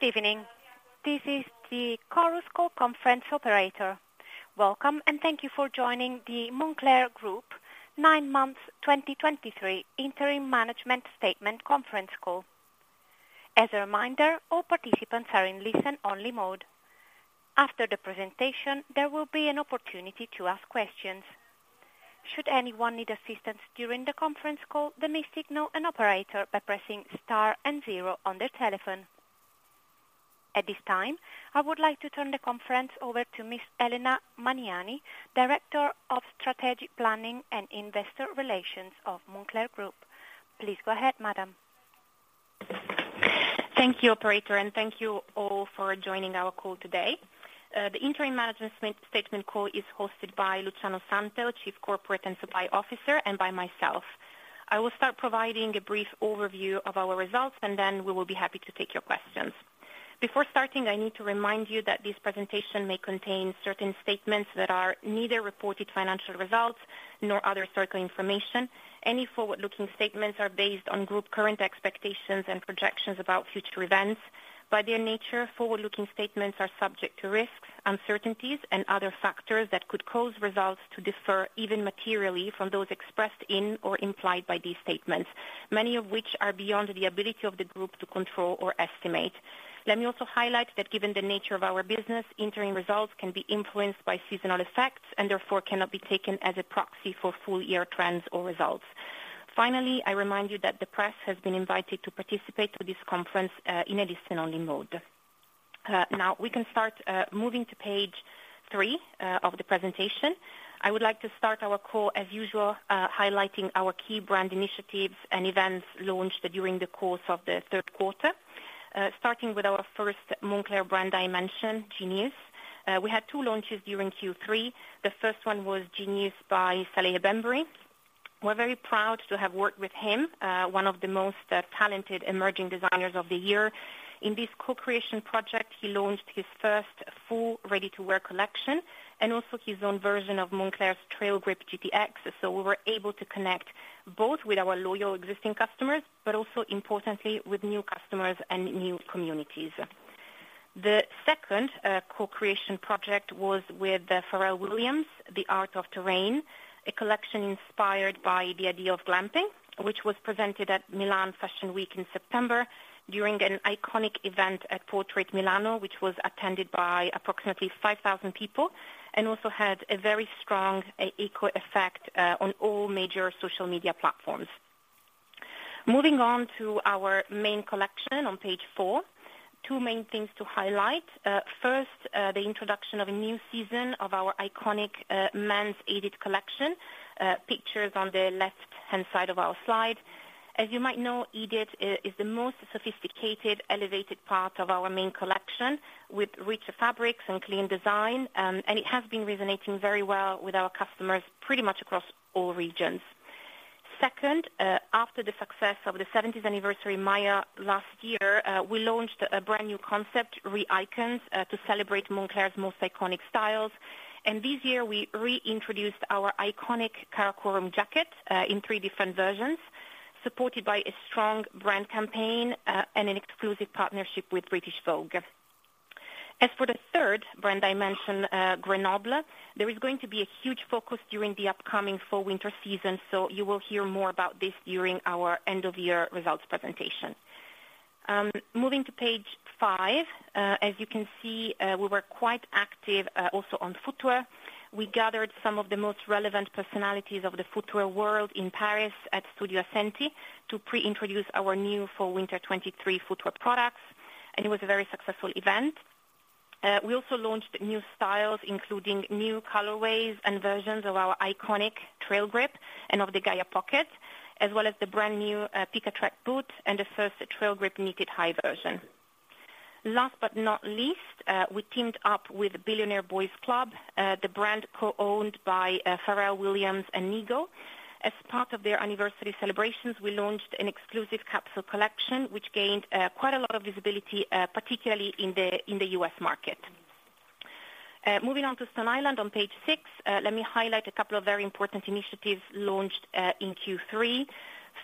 Good evening. This is the Chorus Call Conference operator. Welcome, and thank you for joining the Moncler Group nine months 2023 Interim Management Statement conference call. As a reminder, all participants are in listen-only mode. After the presentation, there will be an opportunity to ask questions. Should anyone need assistance during the conference call, they may signal an operator by pressing Star and zero on their telephone. At this time, I would like to turn the conference over to Ms. Elena Mariani, Director of Strategic Planning and Investor Relations of Moncler Group. Please go ahead, Madam. Thank you, operator, and thank you all for joining our call today. The Interim Management Statement call is hosted by Luciano Santel, Chief Corporate and Supply Officer, and by myself. I will start providing a brief overview of our results, and then we will be happy to take your questions. Before starting, I need to remind you that this presentation may contain certain statements that are neither reported financial results nor other historical information. Any forward-looking statements are based on the Group's current expectations and projections about future events. By their nature, forward-looking statements are subject to risks, uncertainties and other factors that could cause results to differ materially from those expressed in or implied by these statements, many of which are beyond the ability of the Group to control or estimate. Let me also highlight that, given the nature of our business, interim results can be influenced by seasonal effects and therefore cannot be taken as a proxy for full-year trends or results. Finally, I remind you that the press has been invited to participate to this conference, in a listen-only mode. Now we can start, moving to page three of the presentation. I would like to start our call as usual, highlighting our key brand initiatives and events launched during the course of the Q3. Starting with our first Moncler brand dimension, Genius. We had two launches during Q3. The first one was Genius by Salehe Bembury. We're very proud to have worked with him, one of the most talented emerging designers of the year. In this co-creation project, he launched his first full ready-to-wear collection and also his own version of Moncler's Trailgrip GPX. We were able to connect both with our loyal existing customers, but also importantly, with new customers and new communities. The second co-creation project was with Pharrell Williams, The Art of Terrain, a collection inspired by the idea of glamping, which was presented at Milan Fashion Week in September during an iconic event at Portrait Milano, which was attended by approximately 5,000 people, and also had a very strong eco effect on all major social media platforms. Moving on to our main collection on page four, two main things to highlight. First, the introduction of a new season of our iconic men's Moncler Edit collection. Pictures on the left-hand side of our slide. As you might know, Edit is the most sophisticated, elevated part of our main collection, with richer fabrics and clean design, and it has been resonating very well with our customers, pretty much across all regions. Second, after the success of the seventieth anniversary, Maya, last year, we launched a brand new concept, RE/ICONS, to celebrate Moncler's most iconic styles. And this year, we reintroduced our iconic Karakorum jacket, in three different versions, supported by a strong brand campaign, and an exclusive partnership with British Vogue. As for the third brand I mentioned, Grenoble, there is going to be a huge focus during the upcoming fall/winter season, so you will hear more about this during our end-of-year results presentation. Moving to page 5, as you can see, we were quite active, also on footwear. We gathered some of the most relevant personalities of the footwear world in Paris at Studio Ascenti to pre-introduce our new fall/winter 2023 footwear products, and it was a very successful event. We also launched new styles, including new colorways and versions of our iconic Trailgrip and of the Gaia Pocket, as well as the brand new, Peka Trek boots and the first Trailgrip knitted high version. Last but not least, we teamed up with Billionaire Boys Club, the brand co-owned by, Pharrell Williams and Nigo. As part of their anniversary celebrations, we launched an exclusive capsule collection, which gained, quite a lot of visibility, particularly in the, in the U.S. market. Moving on to Stone Island on page 6, let me highlight a couple of very important initiatives launched, in Q3.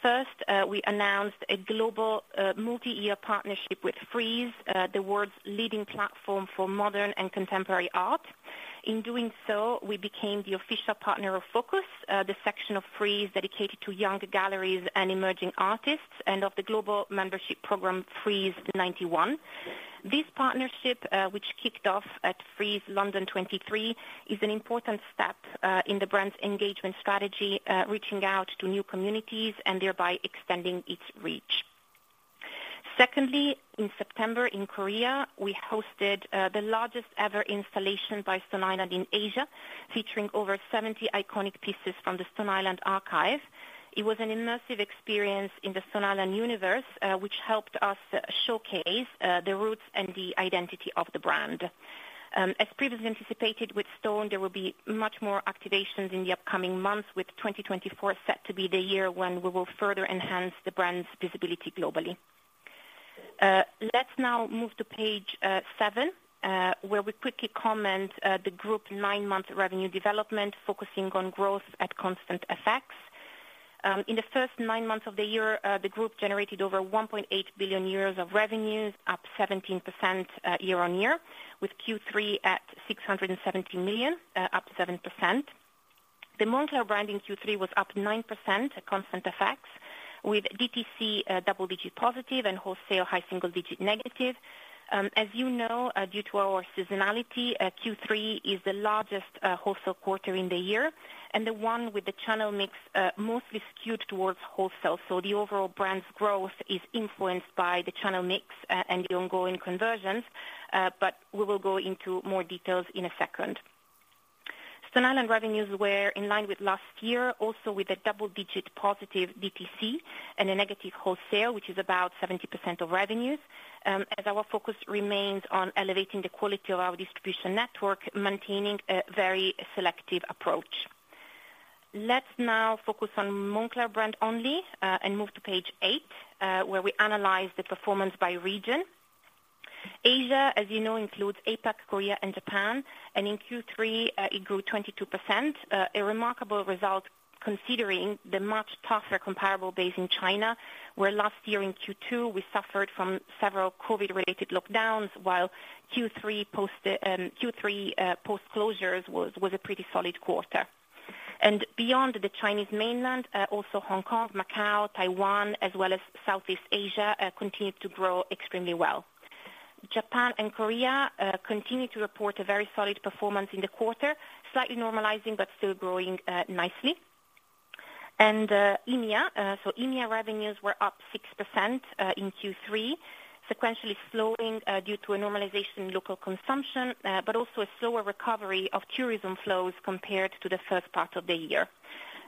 First, we announced a global, multi-year partnership with Frieze, the world's leading platform for modern and contemporary art. In doing so, we became the official partner of Focus, the section of Frieze dedicated to young galleries and emerging artists and of the global membership program, Frieze 91. This partnership, which kicked off at Frieze London 2023, is an important step in the brand's engagement strategy, reaching out to new communities and thereby extending its reach. Secondly, in September in Korea, we hosted the largest-ever installation by Stone Island in Asia, featuring over 70 iconic pieces from the Stone Island archive. It was an immersive experience in the Stone Island universe, which helped us showcase the roots and the identity of the brand. As previously anticipated, with Stone, there will be much more activations in the upcoming months, with 2024 set to be the year when we will further enhance the brand's visibility globally. Let's now move to page 7, where we quickly comment the group nine-month revenue development, focusing on growth at Constant FX. In the first nine months of the year, the group generated over 1.8 billion euros of revenues, up 17% year-on-year, with Q3 at 670 million, up 7%. The Moncler brand in Q3 was up 9% at Constant FX, with DTC double-digit positive and wholesale high single-digit negative. As you know, due to our seasonality, Q3 is the largest wholesale quarter in the year, and the one with the channel mix mostly skewed towards wholesale. So the overall brand's growth is influenced by the channel mix, and the ongoing conversions, but we will go into more details in a second. Stone Island revenues were in line with last year, also with a double-digit positive DTC and a negative wholesale, which is about 70% of revenues, as our focus remains on elevating the quality of our distribution network, maintaining a very selective approach. Let's now focus on Moncler brand only, and move to page 8, where we analyze the performance by region. Asia, as you know, includes APAC, Korea and Japan, and in Q3, it grew 22%, a remarkable result considering the much tougher comparable base in China, where last year in Q2, we suffered from several COVID-related lockdowns, while Q3 post closures was a pretty solid quarter. And beyond the Chinese mainland, also Hong Kong, Macau, Taiwan, as well as Southeast Asia, continued to grow extremely well. Japan and Korea continued to report a very solid performance in the quarter, slightly normalizing but still growing nicely. And, EMEA, so EMEA revenues were up 6% in Q3, sequentially slowing due to a normalization in local consumption, but also a slower recovery of tourism flows compared to the first part of the year.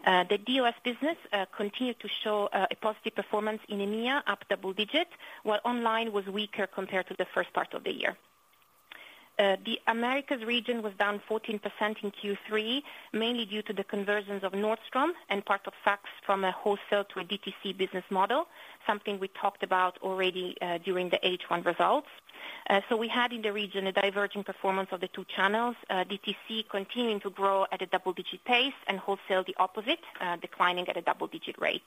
The DOS business continued to show a positive performance in EMEA, up double digit, while online was weaker compared to the first part of the year. The Americas region was down 14% in Q3, mainly due to the conversions of Nordstrom and part of Saks from a wholesale to a DTC business model, something we talked about already during the H1 results. We had in the region a diverging performance of the two channels, DTC continuing to grow at a double-digit pace and wholesale the opposite, declining at a double-digit rate.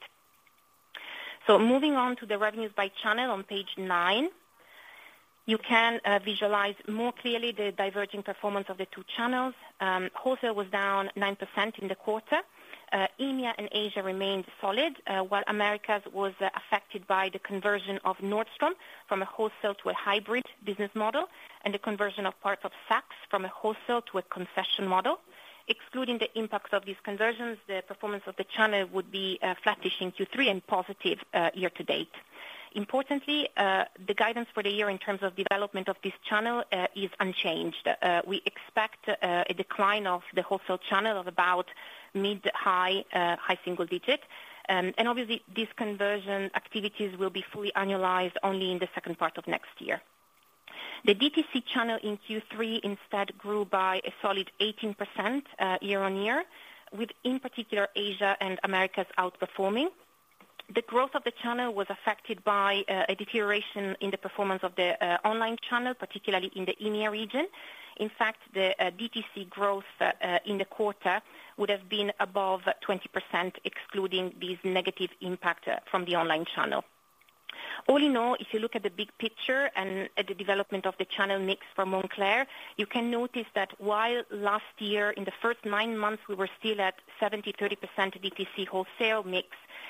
Moving on to the revenues by channel on page nine, you can visualize more clearly the diverging performance of the two channels. Wholesale was down 9% in the quarter. EMEA and Asia remained solid, while Americas was affected by the conversion of Nordstrom from a wholesale to a hybrid business model, and the conversion of parts of Saks from a wholesale to a concession model. Excluding the impacts of these conversions, the performance of the channel would be flattish in Q3 and positive year-to-date. Importantly, the guidance for the year in terms of development of this channel is unchanged. We expect a decline of the wholesale channel of about mid-high, high single digit. And obviously, these conversion activities will be fully annualized only in the second part of next year. The DTC channel in Q3 instead grew by a solid 18% year-on-year, with, in particular, Asia and Americas outperforming. The growth of the channel was affected by a deterioration in the performance of the online channel, particularly in the EMEA region. In fact, the DTC growth in the quarter would have been above 20%, excluding these negative impact from the online channel. All in all, if you look at the big picture and at the development of the channel mix for Moncler, you can notice that while last year in the first nine months, we were still at 70- 30% DTC wholesale mix,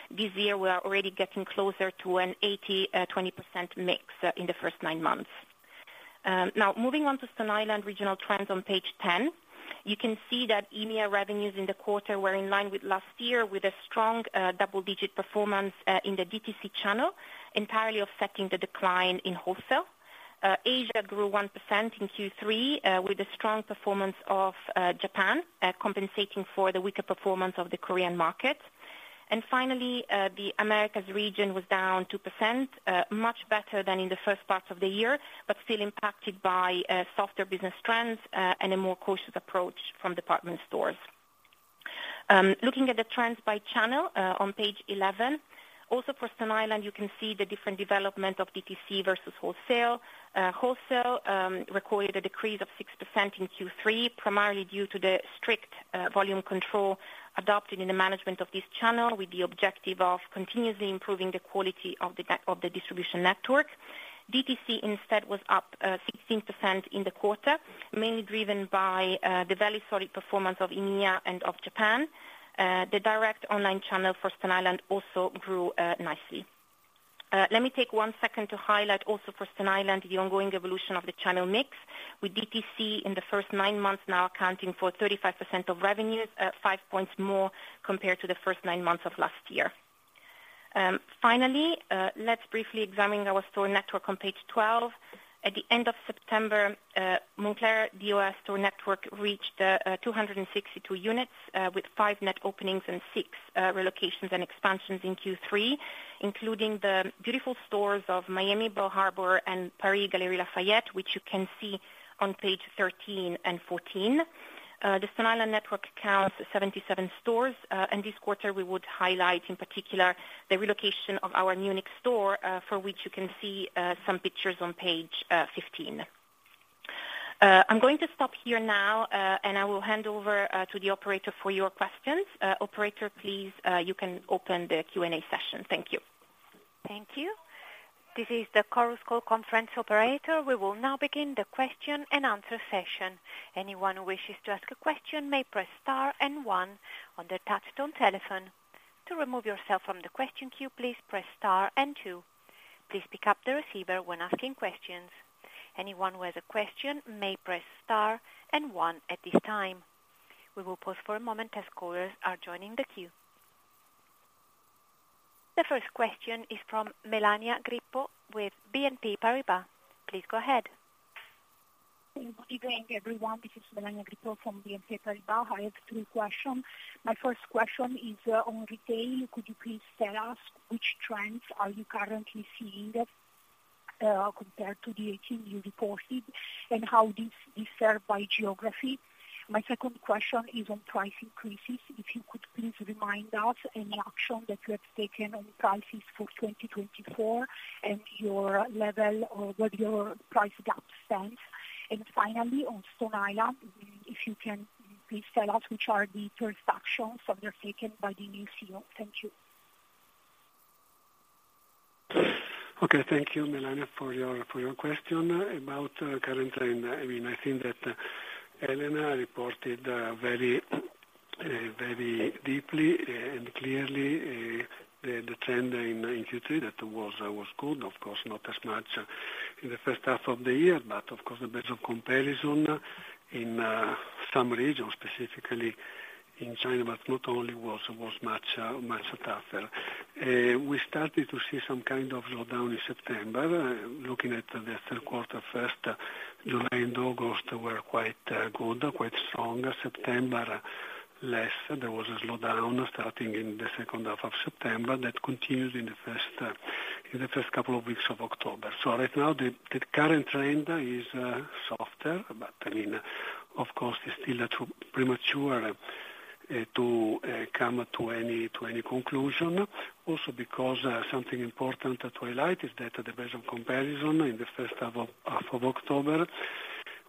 this year, we are already getting closer to an 80-20% mix in the first nine months. Now, moving on to Stone Island regional trends on page 10, you can see that EMEA revenues in the quarter were in line with last year, with a strong double-digit performance in the DTC channel, entirely offsetting the decline in wholesale. Asia grew 1% in Q3, with a strong performance of Japan compensating for the weaker performance of the Korean market. And finally, the Americas region was down 2%, much better than in the first part of the year, but still impacted by softer business trends and a more cautious approach from department stores. Looking at the trends by channel on page 11, also for Stone Island, you can see the different development of DTC versus wholesale. Wholesale recorded a decrease of 6% in Q3, primarily due to the strict volume control adopted in the management of this channel, with the objective of continuously improving the quality of the distribution network. DTC, instead, was up 16% in the quarter, mainly driven by the very solid performance of EMEA and of Japan. The direct online channel for Stone Island also grew nicely. Let me take one second to highlight also for Stone Island, the ongoing evolution of the channel mix, with DTC in the first nine months now accounting for 35% of revenues, 5 points more compared to the first nine months of last year. Finally, let's briefly examine our store network on page 12. At the end of September, Moncler DOS store network reached 262 units, with five net openings and six relocations and expansions in Q3, including the beautiful stores of Miami, Bal Harbour, and Paris, Galeries Lafayette, which you can see on page 13 and 14. The Stone Island network counts 77 stores, and this quarter we would highlight, in particular, the relocation of our Munich store, for which you can see some pictures on page 15. I'm going to stop here now, and I will hand over to the operator for your questions. Operator, please, you can open the Q&A session. Thank you. Thank you. This is the Chorus Call Conference Operator. We will now begin the Q&A session. Anyone who wishes to ask a question may press star and one on their touchtone telephone. To remove yourself from the question queue, please press star and two. Please pick up the receiver when asking questions. Anyone who has a question may press star and one at this time. We will pause for a moment as callers are joining the queue. The first question is from Melania Grippo with BNP Paribas. Please go ahead. Good evening, everyone. This is Melania Grippo from BNP Paribas. I have three questions. My first question is on retail. Could you please tell us which trends are you currently seeing, compared to the 2018 you reported, and how this is served by geography? My second question is on price increases. If you could please remind us any action that you have taken on prices for 2024 and your level or where your price gap stands? And finally, on Stone Island, if you can please tell us, which are the first actions undertaken by the new CEO? Thank you. Okay, thank you, Melania, for your, for your question about current trend. I mean, I think that Elena reported very, very deeply and clearly the trend in Q3 that was good. Of course, not as much in the H1 of the year, but of course, the best of comparison in some regions, specifically in China, but not only was much, much tougher. We started to see some kind of slowdown in September. Looking at theQ3, first July and August were quite good, quite strong. September, less. There was a slowdown starting in the H2 of September. That continues in the first, in the first couple of weeks of October. So right now, the current trend is softer, but I mean, of course, it's still too premature to come to any conclusion. Also because something important to highlight is that the base of comparison in the H1 of October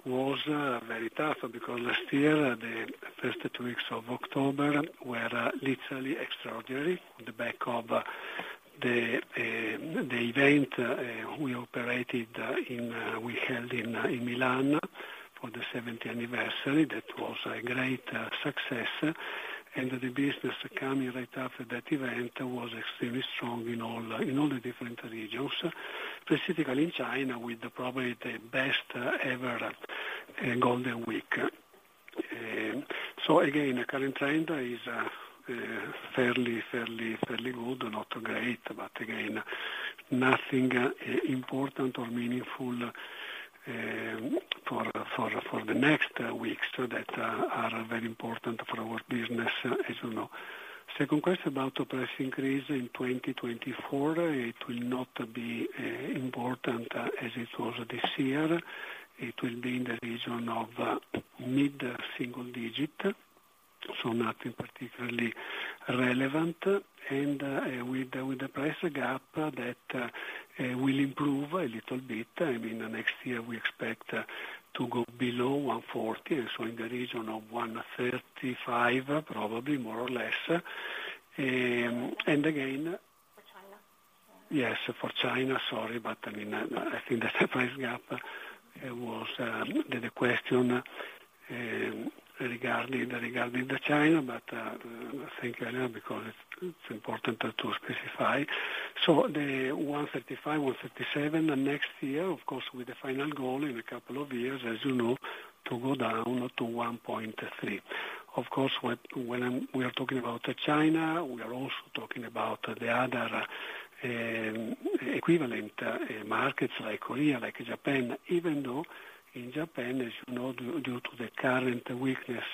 was very tough, because last year, the first two weeks of October were literally extraordinary on the back of the event we held in Milan for the 70th anniversary. That was a great success, and the business coming right after that event was extremely strong in all the different regions, specifically in China, with probably the best ever Golden Week. So again, the current trend is fairly good, not great, but again, nothing important or meaningful for the next weeks that are very important for our business, as you know. Second question about the price increase in 2024, it will not be important as it was this year. It will be in the region of mid-single digit, so nothing particularly relevant. And with the price gap, that will improve a little bit. I mean, next year, we expect to go below 140, so in the region of 135, probably more or less. And again- For China? Yes, for China. Sorry, but I mean, I think that the price gap was the question regarding the China, but I think I know, because it's important to specify. So the 135, 137 next year, of course, with the final goal in a couple of years, as you know, to go down to 1.3. Of course, when we are talking about China, we are also talking about the other equivalent markets like Korea, like Japan, even though in Japan, as you know, due to the current weakness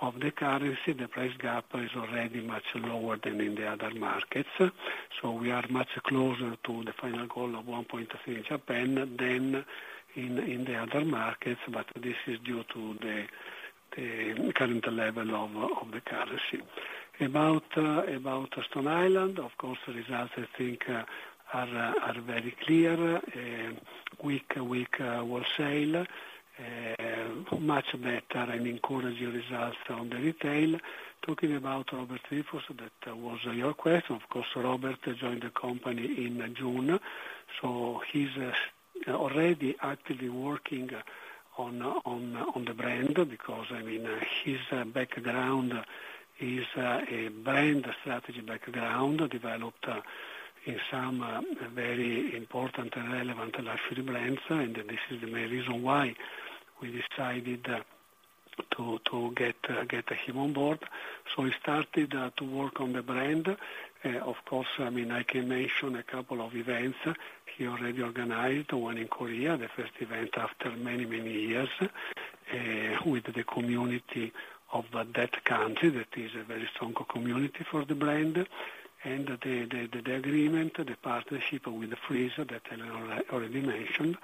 of the currency, the price gap is already much lower than in the other markets. So we are much closer to the final goal of 1.3 in Japan than in the other markets, but this is due to the current level of the currency. About Stone Island, of course, the results I think are very clear. Weak wholesale, much better and encouraging results on the retail. Talking about Robert Triefus, that was your question, of course, Robert joined the company in June, so he's already actively working on the brand, because, I mean, his background is a brand strategy background, developed in some very important and relevant luxury brands. And this is the main reason why we decided to get him on board. So he started to work on the brand. Of course, I mean, I can mention a couple of events he already organized, one in Korea, the first event after many, many years, with the community of that country. That is a very strong community for the brand. And the agreement, the partnership with Frieze that I already mentioned,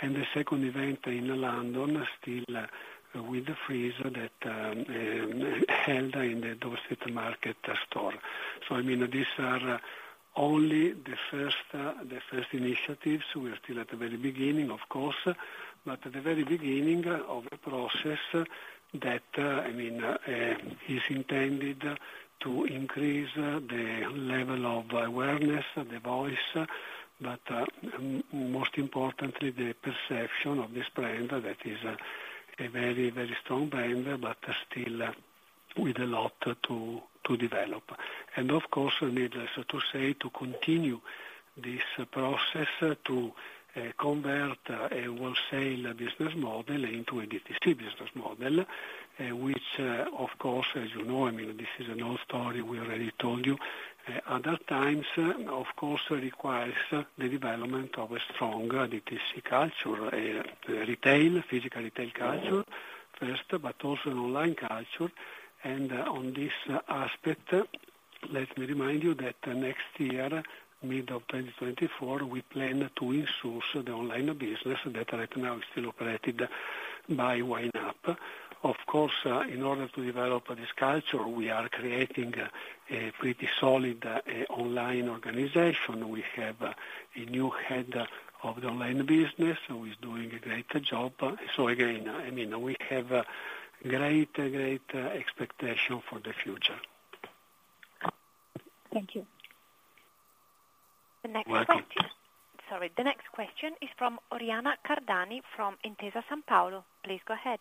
and the second event in London, still with the Frieze that held in the Dover Street Market store. So I mean, these are only the first initiatives. We are still at the very beginning, of course, but at the very beginning of a process that, I mean, is intended to increase the level of awareness, the voice, but most importantly, the perception of this brand, that is a very, very strong brand, but still with a lot to develop. Of course, needless to say, to continue this process, to convert a wholesale business model into a DTC business model, which of course, as you know, I mean, this is an old story we already told you other times, of course, it requires the development of a strong DTC culture, retail, physical retail culture first, but also an online culture. On this aspect, let me remind you that next year, mid-2024, we plan to in-source the online business that right now is still operated by YOOX NET-A-PORTER. Of course, in order to develop this culture, we are creating a pretty solid online organization. We have a new head of the online business who is doing a great job. So again, I mean, we have great, great expectation for the future. Thank you. The next question... Sorry. The next question is from Oriana Cardani, from Intesa Sanpaolo. Please go ahead.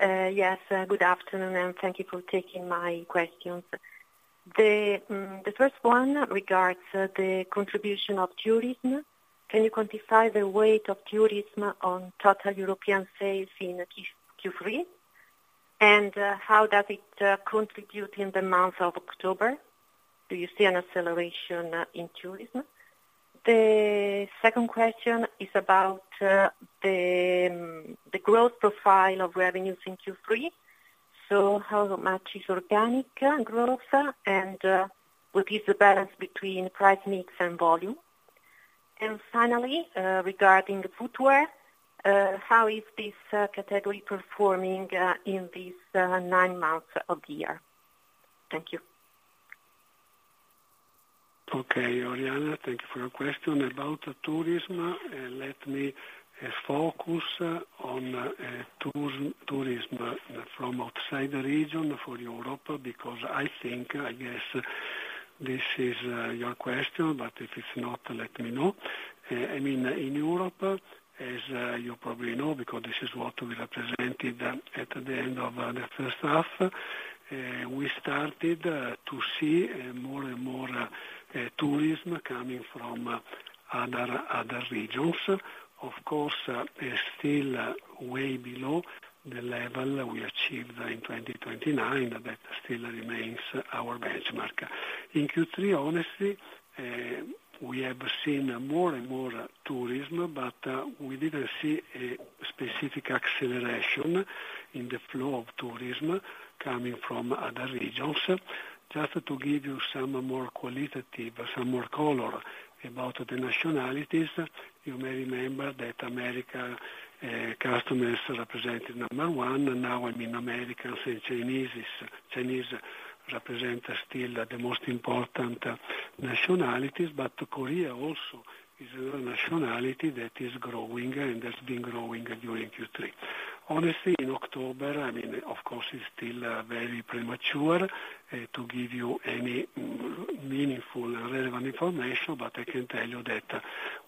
Yes, good afternoon, and thank you for taking my questions. The first one regards the contribution of tourism. Can you quantify the weight of tourism on total European sales in Q3? And how does it contribute in the month of October? Do you see an acceleration in tourism? The second question is about the growth profile of revenues in Q3. So how much is organic growth? And what is the balance between price mix and volume? And finally, regarding footwear, how is this category performing in this nine months of the year? Thank you. Okay, Oriana, thank you for your question. About tourism, let me focus on tourism from outside the region for Europe, because I think, I guess this is your question, but if it's not, let me know. I mean, in Europe, as you probably know, because this is what we represented at the end of the H1, we started to see more and more tourism coming from other regions. Of course, still way below the level we achieved in 2029. That still remains our benchmark. In Q3, honestly, we have seen more and more tourism, but we didn't see a specific acceleration in the flow of tourism coming from other regions. Just to give you some more qualitative, some more color about the nationalities, you may remember that American customers represented number one. Now, I mean, Americans and Chinese is, Chinese represent still the most important nationalities, but Korea also is a nationality that is growing and has been growing during Q3. Honestly, in October, I mean, of course, it's still very premature to give you any meaningful, relevant information, but I can tell you that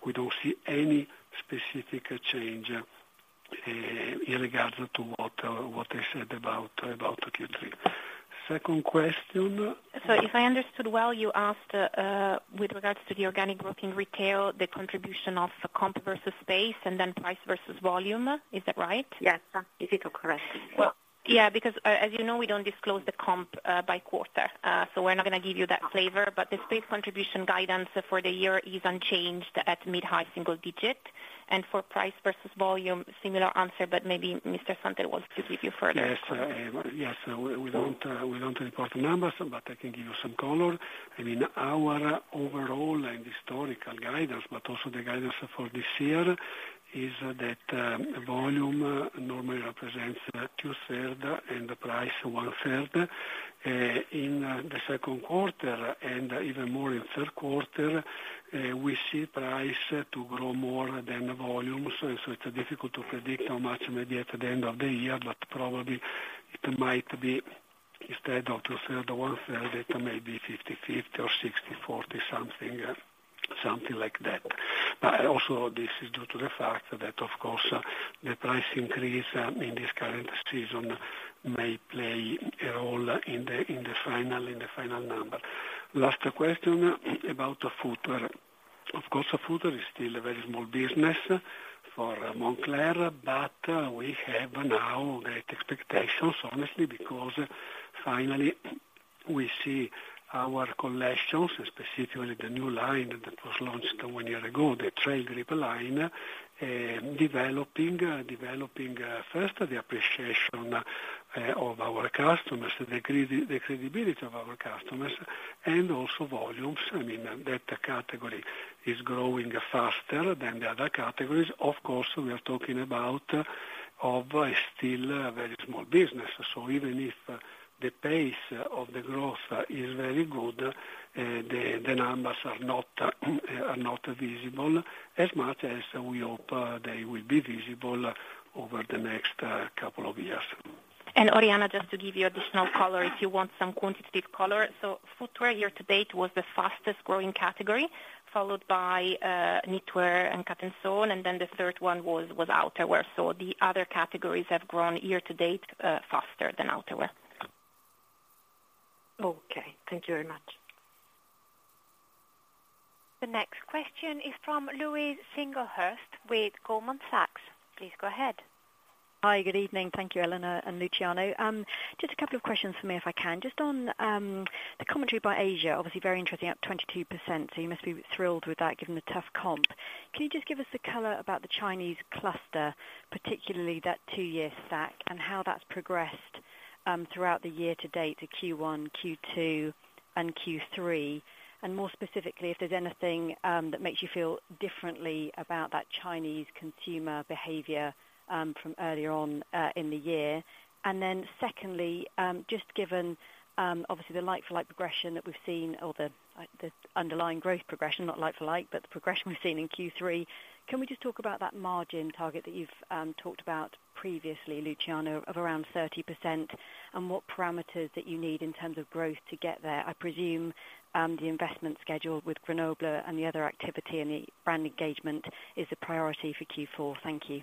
we don't see any specific change in regards to what I said about Q3. Second question? If I understood well, you asked, with regards to the organic growth in retail, the contribution of comp versus space and then price versus volume. Is that right? Yes. If it correct. Well, yeah, because as you know, we don't disclose the comp by quarter. So we're not going to give you that flavor, but the space contribution guidance for the year is unchanged at mid-high single digit, and for price versus volume, similar answer, but maybe Mr. Santel wants to give you further. Yes. Yes, we don't report the numbers, but I can give you some color. I mean, our overall and historical guidance, but also the guidance for this year, is that volume normally represents two-thirds and the price one-third. In the Q2, and even more in theQ3, we see price to grow more than the volumes, so it's difficult to predict how much maybe at the end of the year, but probably it might be instead of two-thirds, one-third, it may be 50/50 or 60/40, something like that. But also, this is due to the fact that, of course, the price increase in this current season may play a role in the final number. Last question about the footwear. Of course, footwear is still a very small business for Moncler, but we have now great expectations, honestly, because finally we see our collections, specifically the new line that was launched one year ago, the Trailgrip line, developing first the appreciation of our customers, the credibility of our customers, and also volumes. I mean, that category is growing faster than the other categories. Of course, we are talking about of still a very small business. So even if the pace of the growth is very good, the numbers are not visible as much as we hope they will be visible over the next couple of years. Oriana, just to give you additional color, if you want some quantitative color. So footwear year to date was the fastest growing category, followed by knitwear and cut and sew, and then the third one was outerwear. So the other categories have grown year to date faster than outerwear. Okay, thank you very much. The next question is from Louise Singlehurst, with Goldman Sachs. Please go ahead. Hi, good evening. Thank you, Elena and Luciano. Just a couple of questions for me, if I can. Just on the commentary by Asia, obviously very interesting, up 22%, so you must be thrilled with that, given the tough comp. Can you just give us the color about the Chinese cluster, particularly that two-year stack, and how that's progressed throughout the year to date, to Q1, Q2, and Q3? And more specifically, if there's anything that makes you feel differently about that Chinese consumer behavior from earlier on in the year. And then secondly, just given, obviously the like-for-like progression that we've seen or the underlying growth progression, not like-for-like, but the progression we've seen in Q3, can we just talk about that margin target that you've talked about previously, Luciano, of around 30%, and what parameters that you need in terms of growth to get there? I presume the investment schedule with Grenoble and the other activity and the brand engagement is a priority for Q4. Thank you.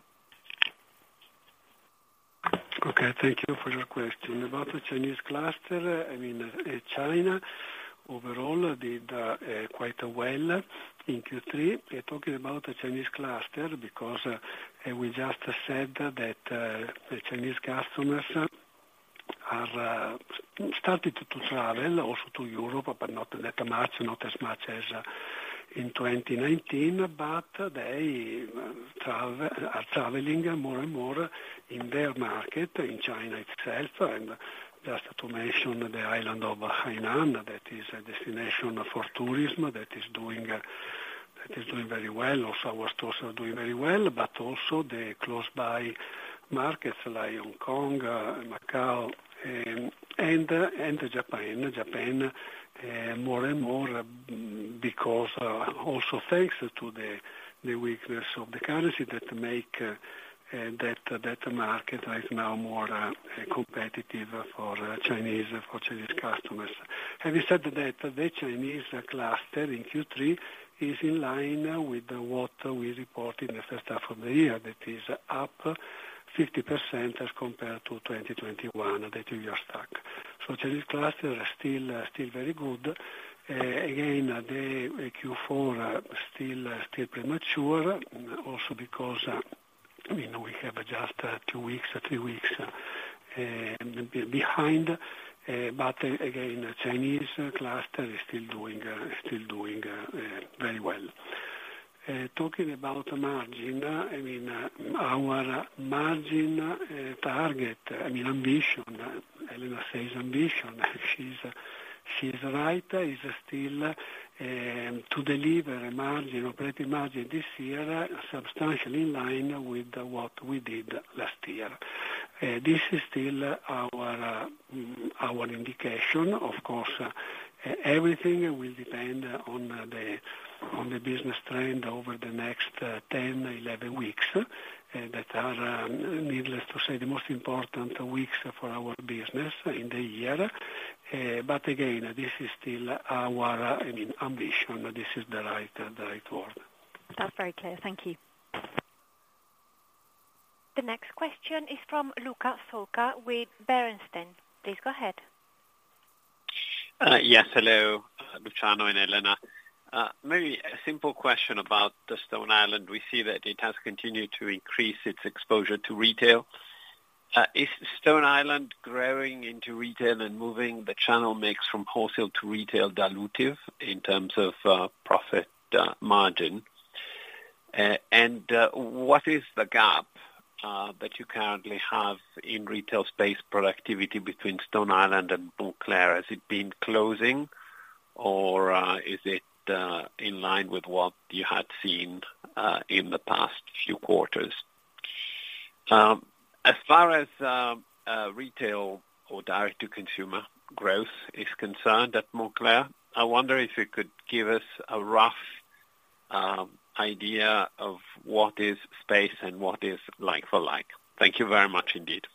Okay, thank you for your question. About the Chinese cluster, I mean, China overall did quite well in Q3. We are talking about the Chinese cluster because we just said that the Chinese customers are starting to travel also to Europe, but not that much, not as much as in 2019. But they travel, are traveling more and more in their market, in China itself, and just to mention the island of Hainan, that is a destination for tourism that is doing very well. Also, our stores are doing very well, but also the close by markets like Hong Kong, Macau, and Japan. Japan more and more, because also thanks to the weakness of the currency that make that market right now more competitive for Chinese customers. Having said that, the Chinese cluster in Q3 is in line with what we reported in the H1 of the year, that is up 50% as compared to 2021, the two-year stack. So Chinese cluster are still, still very good. Again, the Q4 are still, still premature, also because, you know, we have just two weeks, or three weeks behind, but again, the Chinese cluster is still doing, still doing very well. Talking about margin, I mean, our margin target, I mean, ambition, Elena says ambition, she's, she's right, is still to deliver a margin, operating margin this year, substantially in line with what we did last year. This is still our our indication. Of course, everything will depend on the, on the business trend over the next 10, 11 weeks, that are, needless to say, the most important weeks for our business in the year. But again, this is still our, I mean, ambition, this is the right, the right word. That's very clear. Thank you. The next question is from Luca Solca with Bernstein. Please go ahead. Yes, hello, Luciano and Elena. Maybe a simple question about the Stone Island. We see that it has continued to increase its exposure to retail. Is Stone Island growing into retail and moving the channel mix from wholesale to retail dilutive in terms of profit margin? And what is the gap that you currently have in retail space productivity between Stone Island and Moncler? Has it been closing or is it in line with what you had seen in the past few quarters? As far as retail or direct-to-consumer growth is concerned at Moncler, I wonder if you could give us a rough idea of what is space and what is like for like. Thank you very much indeed.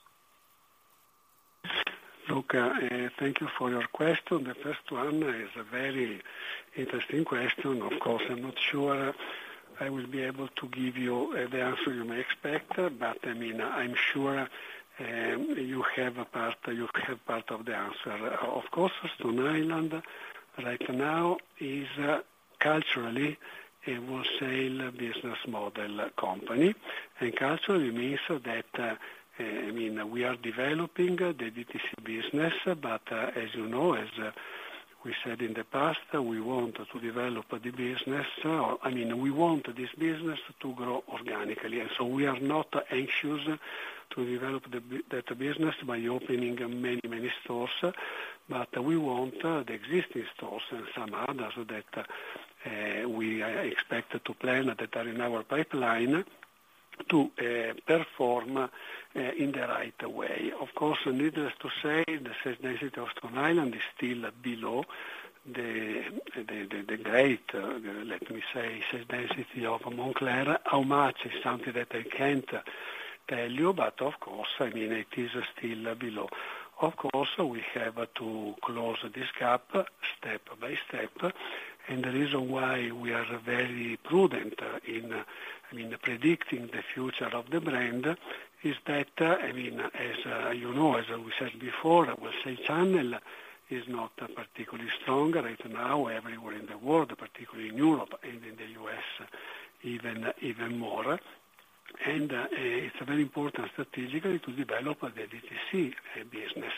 Luca, thank you for your question. The first one is a very interesting question. Of course, I'm not sure I will be able to give you the answer you may expect, but I mean, I'm sure you have a part, you have part of the answer. Of course, Stone Island, right now, is culturally a wholesale business model company. And culturally means that, I mean, we are developing the DTC business, but as you know, as we said in the past, we want to develop the business. I mean, we want this business to grow organically, and so we are not anxious to develop that business by opening many, many stores, but we want the existing stores and some others that we expected to plan that are in our pipeline to perform in the right way. Of course, needless to say, the sales density of Stone Island is still below the great sales density of Moncler. How much is something that I can't tell you, but of course, I mean, it is still below. Of course, we have to close this gap step by step, and the reason why we are very prudent in, I mean, predicting the future of the brand is that, I mean, as you know, as we said before, wholesale channel is not particularly strong right now everywhere in the world, particularly in Europe and in the U.S., even more. And it's very important strategically to develop the DTC business.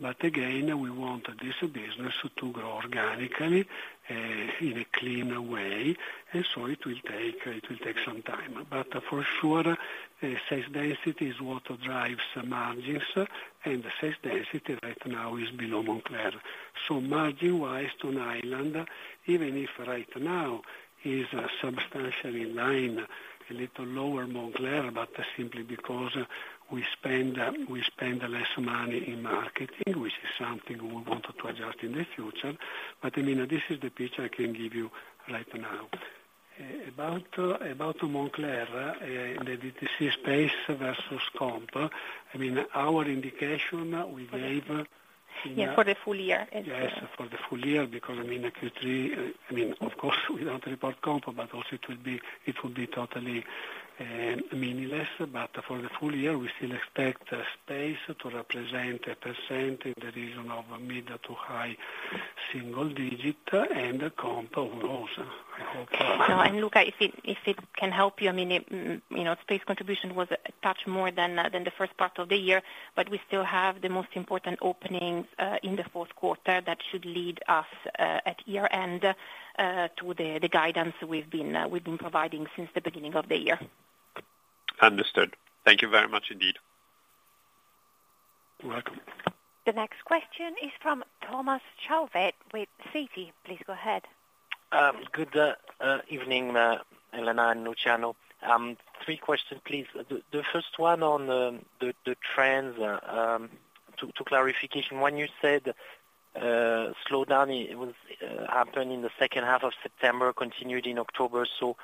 But again, we want this business to grow organically in a clean way, and so it will take some time. But for sure, sales density is what drives margins, and the sales density right now is below Moncler. So margin-wise, Stone Island, even if right now is substantially in line, a little lower, Moncler, but simply because we spend, we spend less money in marketing, which is something we want to adjust in the future. But, I mean, this is the picture I can give you right now. About Moncler, the DTC space versus comp, I mean, our indication we gave- Yeah, for the full year. Yes, for the full year, because I mean, Q3, I mean, of course, we don't report comp, but also it will be, it will be totally meaningless. But for the full year, we still expect space to represent a percent in the region of mid- to high-single-digit % and the comp also. No, and Luca, if it can help you, I mean, you know, space contribution was a touch more than the first part of the year, but we still have the most important openings in the Q4 that should lead us at year-end to the guidance we've been providing since the beginning of the year. Understood. Thank you very much indeed. You're welcome. The next question is from Thomas Chauvet with Citi. Please go ahead. Good evening, Elena and Luciano. Three questions, please. The first one on the trends, to clarification, when you said slowdown it was happened in the H2 of September, continued in October. So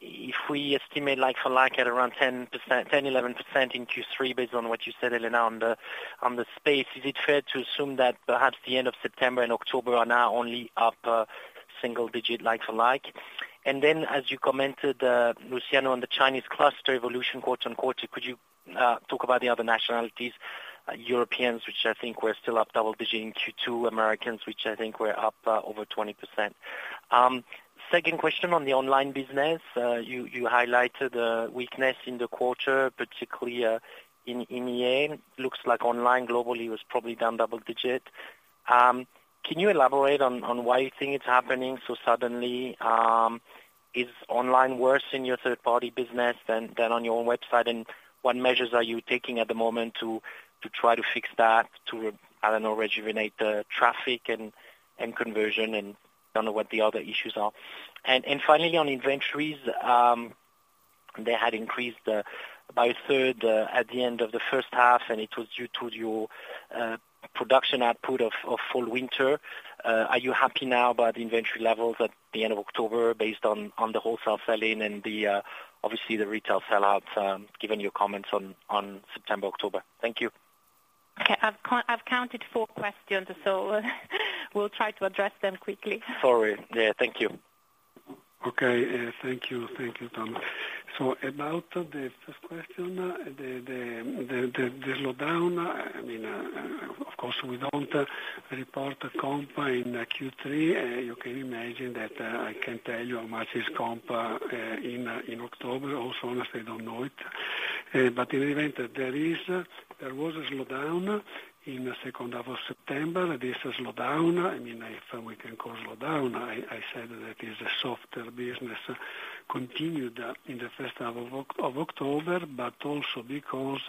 if we estimate like-for-like at around 10-11% in Q3, based on what you said, Elena, on the space, is it fair to assume that perhaps the end of September and October are now only up single-digit like-for-like? And then, as you commented, Luciano, on the Chinese cluster "evolution," could you talk about the other nationalities, Europeans, which I think were still up double-digit in Q2, Americans, which I think were up over 20%. Second question on the online business. You highlighted the weakness in the quarter, particularly in EMEA. Looks like online globally was probably down double digit. Can you elaborate on why you think it's happening so suddenly? Is online worse in your third party business than on your own website? And what measures are you taking at the moment to try to fix that, to, I don't know, rejuvenate the traffic and conversion, and I don't know what the other issues are. And finally, on inventories, they had increased by a third at the end of the H1, and it was due to your production output of fall/winter. Are you happy now about the inventory levels at the end of October, based on the wholesale sell-in and obviously the retail sell-out, given your comments on September, October? Thank you. Okay, I've counted four questions, so we'll try to address them quickly. Sorry. Yeah, thank you. Okay, thank you. Thank you, Thomas. So about the first question, the slowdown, I mean, of course, we don't report comp in Q3, you can imagine that, I can't tell you how much is comp in October. Also, honestly, I don't know it. But in fact there was a slowdown in the H2 of September. This slowdown, I mean, if we can call it a slowdown, I said that is a softer business, continued in the H1 of October, but also because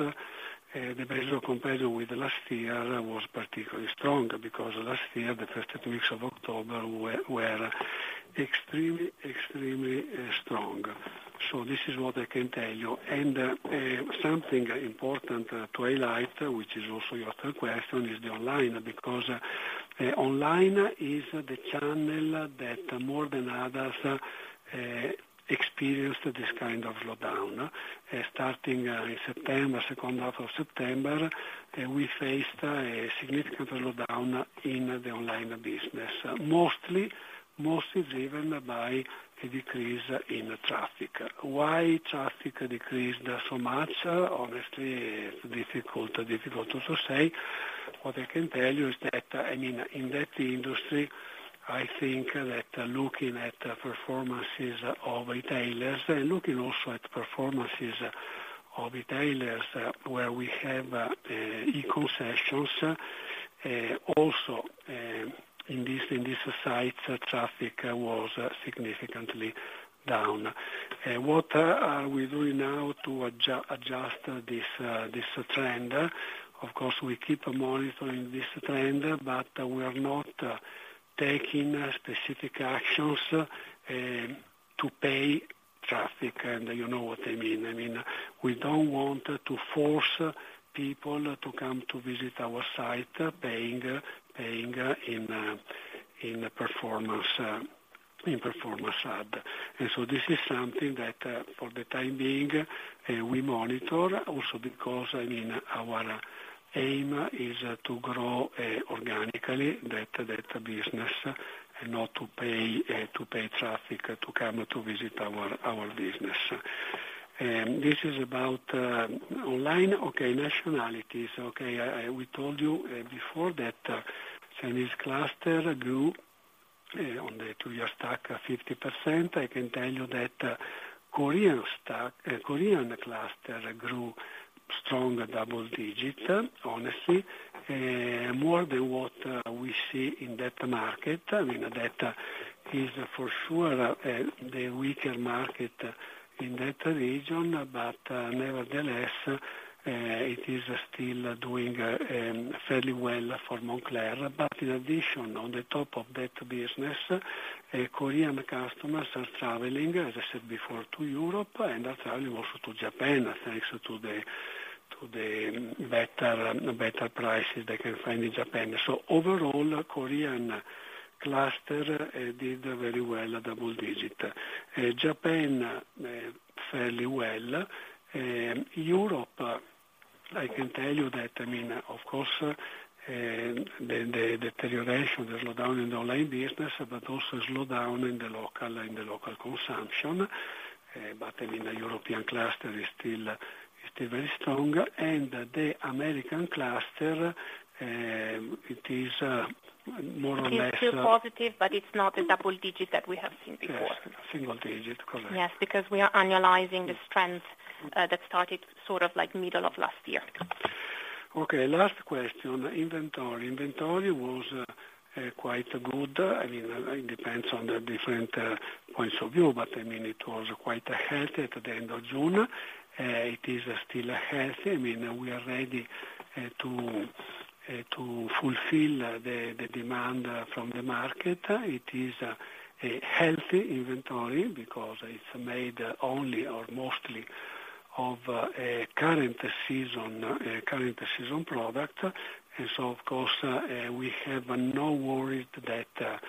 the base of comparison with last year was particularly strong, because last year, the first two weeks of October were extremely strong. So this is what I can tell you. Something important to highlight, which is also your third question, is the online, because online is the channel that more than others experienced this kind of slowdown. Starting in September, H2 of September, we faced a significant slowdown in the online business, mostly driven by a decrease in traffic. Why traffic decreased so much? Honestly, it's difficult to say. What I can tell you is that, I mean, in that industry, I think that looking at performances of retailers and looking also at performances of retailers where we have e-concessions, also in this site, traffic was significantly down. What are we doing now to adjust this trend? Of course, we keep monitoring this trend, but we are not... Taking specific actions to pay traffic, and you know what I mean? I mean, we don't want to force people to come to visit our site, paying, paying in performance ad. And so this is something that for the time being we monitor also because, I mean, our aim is to grow organically that business and not to pay traffic to come to visit our business. This is about online. Okay, nationalities. Okay, we told you before that Chinese cluster grew on the two-year stack 50%. I can tell you that Korean cluster grew strong double digit, honestly, more than what we see in that market. I mean, that is for sure the weaker market in that region, but nevertheless it is still doing fairly well for Moncler. But in addition, on the top of that business, Korean customers are traveling, as I said before, to Europe, and traveling also to Japan, thanks to the better, better prices they can find in Japan. So overall, Korean cluster did very well, double digit. Japan fairly well. Europe, I can tell you that, I mean, of course the deterioration, the slowdown in the online business, but also slowdown in the local consumption. But I mean, the European cluster is still, still very strong. And the American cluster, it is more or less- It is still positive, but it's not a double digit that we have seen before. Yes, single digit, correct. Yes, because we are annualizing this trend that started sort of like middle of last year. Okay, last question. Inventory. Inventory was quite good. I mean, it depends on the different points of view, but I mean, it was quite healthy at the end of June. It is still healthy. I mean, we are ready to fulfill the demand from the market. It is a healthy inventory because it's made only or mostly of a current season product. And so of course, we have no worries that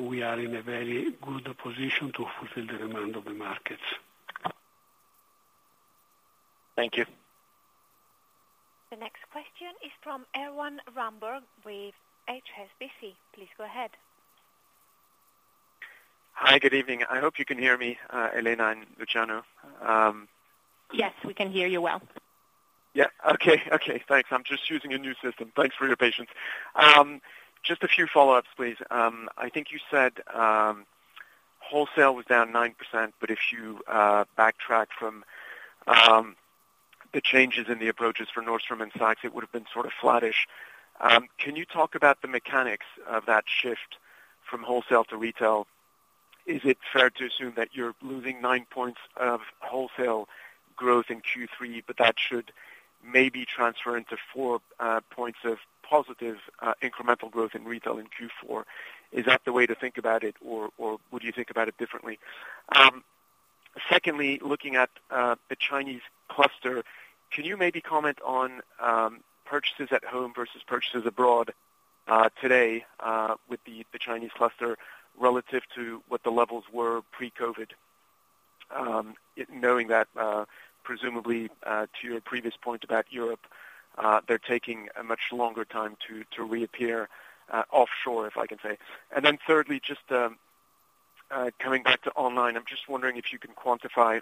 we are in a very good position to fulfill the demand of the markets. Thank you. The next question is from Erwan Rambourg with HSBC. Please go ahead. Hi, good evening. I hope you can hear me, Elena and Luciano. Yes, we can hear you well. Yeah. Okay, okay, thanks. I'm just using a new system. Thanks for your patience. Just a few follow-ups, please. I think you said, wholesale was down 9%, but if you, backtrack from, the changes in the approaches for Nordstrom and Saks, it would have been sort of flattish. Can you talk about the mechanics of that shift from wholesale to retail? Is it fair to assume that you're losing nine points of wholesale growth in Q3, but that should maybe transfer into four points of positive, incremental growth in retail in Q4? Is that the way to think about it, or, would you think about it differently? Secondly, looking at the Chinese cluster, can you maybe comment on purchases at home versus purchases abroad today with the Chinese cluster, relative to what the levels were pre-COVID? Knowing that, presumably, to your previous point about Europe, they're taking a much longer time to reappear offshore, if I can say. And then thirdly, just coming back to online, I'm just wondering if you can quantify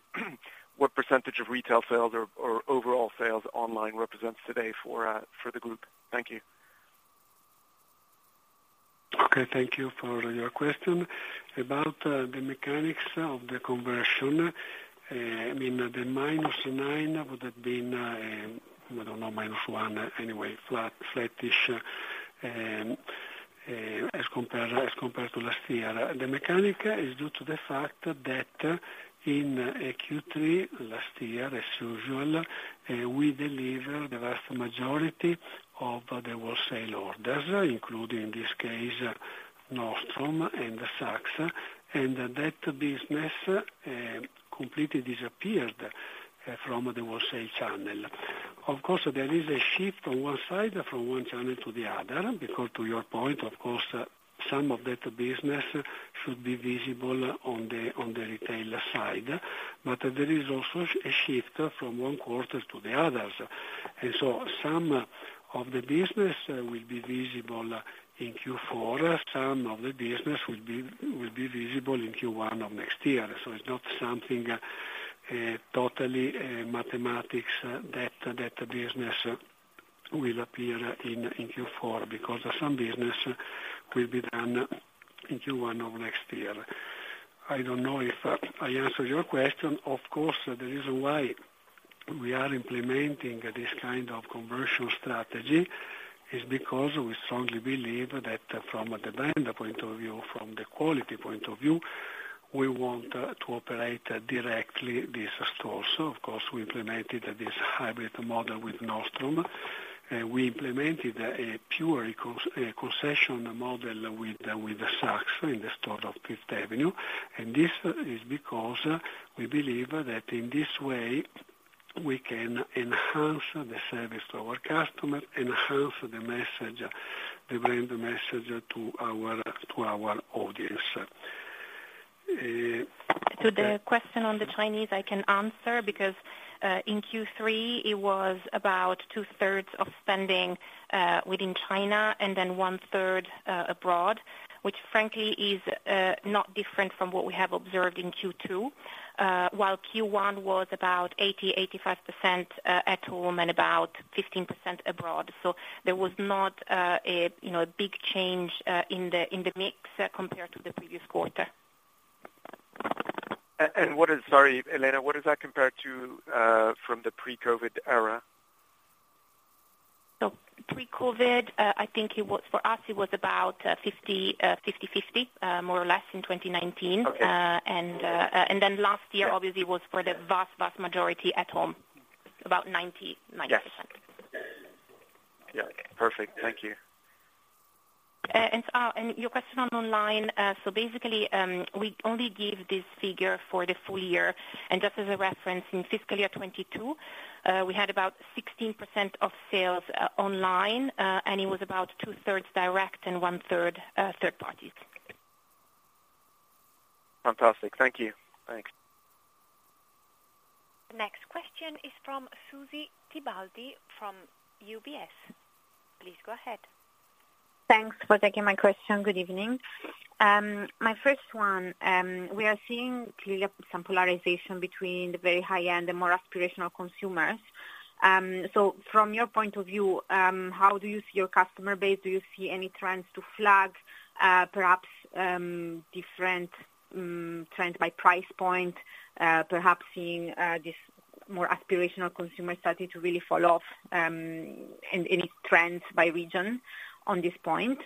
what percentage of retail sales or overall sales online represents today for the group. Thank you. Okay, thank you for your question. About the mechanics of the conversion, I mean, the -9% would have been, I don't know, -1%, anyway, flattish, as compared to last year. The mechanic is due to the fact that in Q3 last year, as usual, we deliver the vast majority of the wholesale orders, including, in this case, Nordstrom and Saks, and that business completely disappeared from the wholesale channel. Of course, there is a shift on one side from one channel to the other, because to your point, of course, some of that business should be visible on the retail side, but there is also a shift from one quarter to the other. And so some of the business will be visible in Q4. Some of the business will be visible in Q1 of next year. So it's not something totally mathematics that business will appear in Q4, because some business will be done in Q1 of next year. I don't know if I answered your question. Of course, the reason why we are implementing this kind of commercial strategy is because we strongly believe that from the demand point of view, from the quality point of view, we want to operate directly these stores. So of course, we implemented this hybrid model with Nordstrom, and we implemented a pure concession model with Saks in the store of Fifth Avenue. And this is because we believe that in this way we can enhance the service to our customers, enhance the message, the brand message to our audience. To the question on the Chinese, I can answer because in Q3, it was about two-thirds of spending within China and then one-third abroad, which frankly is not different from what we have observed in Q2. While Q1 was about 80%-85% at home and about 15% abroad. So there was not, you know, a big change in the mix compared to the previous quarter. What is... Sorry, Elena, what is that compared to from the pre-COVID era? So pre-COVID, I think it was for us, it was about 50/50, more or less in 2019. Okay. And then last year, obviously, was for the vast, vast majority at home, about 90, 90%. Yes. Yeah, perfect. Thank you. And your question on online? Basically, we only give this figure for the full year. Just as a reference, in FY 2022, we had about 16% of sales online, and it was about two-thirds direct and one-third third party. Fantastic. Thank you. Thanks. The next question is from Susie Tibaldi from UBS. Please go ahead. Thanks for taking my question. Good evening. My first one, we are seeing clearly some polarization between the very high end and more aspirational consumers. So from your point of view, how do you see your customer base? Do you see any trends to flag, perhaps, different trends by price point? Perhaps seeing this more aspirational consumer starting to really fall off, and any trends by region on this point?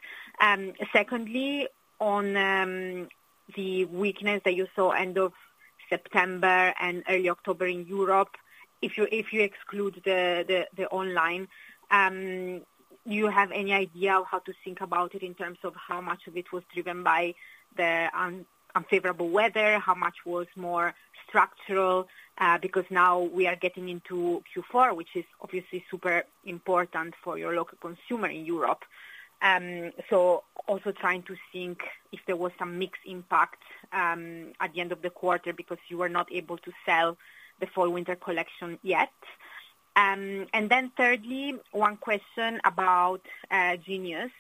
Secondly, on the weakness that you saw end of September and early October in Europe, if you exclude the online, do you have any idea of how to think about it in terms of how much of it was driven by the unfavorable weather? How much was more structural? Because now we are getting into Q4, which is obviously super important for your local consumer in Europe. Also trying to think if there was some mixed impact at the end of the quarter because you were not able to sell the fall/winter collection yet. Thirdly, one question about Genius.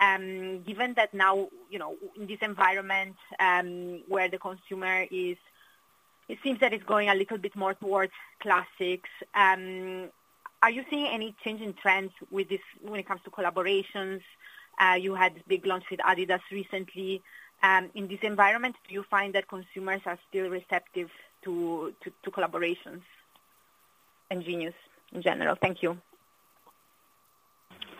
Given that now, you know, in this environment, where the consumer is, it seems that it's going a little bit more towards classics. Are you seeing any change in trends with this when it comes to collaborations? You had big launch with adidas recently. In this environment, do you find that consumers are still receptive to, to, to collaborations and Genius in general? Thank you.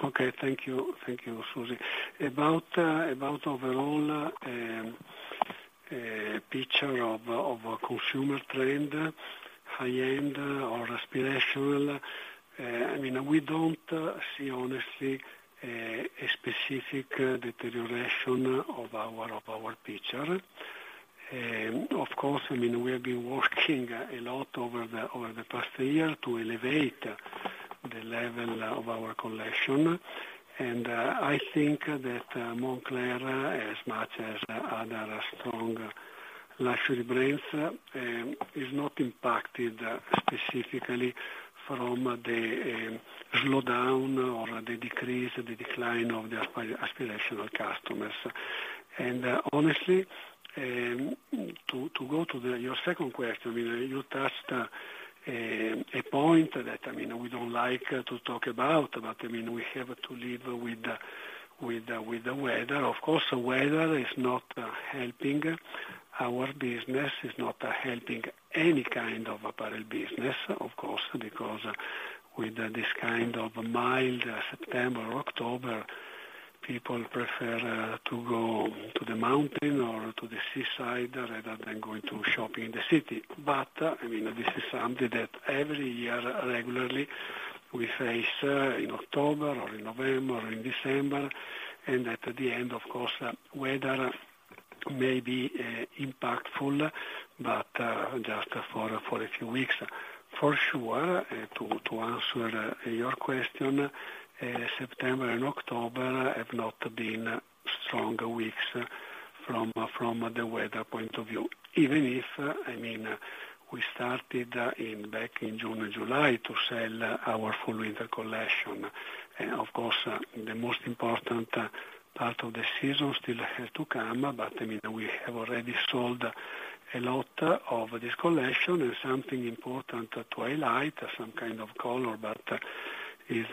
Okay. Thank you. Thank you, Susie. About overall picture of a consumer trend, high end or aspirational, I mean, we don't see honestly a specific deterioration of our picture. Of course, I mean, we have been working a lot over the past year to elevate the level of our collection, and I think that Moncler, as much as other strong luxury brands, is not impacted specifically from the slowdown or the decrease, the decline of the aspirational customers. And honestly, to go to your second question, I mean, you touched a point that I mean, we don't like to talk about, but I mean, we have to live with the weather. Of course, the weather is not helping our business, is not helping any kind of apparel business, of course, because with this kind of mild September, October, people prefer to go to the mountain or to the seaside rather than going to shopping in the city. But, I mean, this is something that every year regularly we face in October or in November or in December. And at the end, of course, weather may be impactful, but just for a few weeks. For sure, to answer your question, September and October have not been strong weeks from the weather point of view. Even if, I mean, we started back in June and July to sell our fall/winter collection. Of course, the most important part of the season still has to come, but, I mean, we have already sold a lot of this collection. Something important to highlight, some kind of color,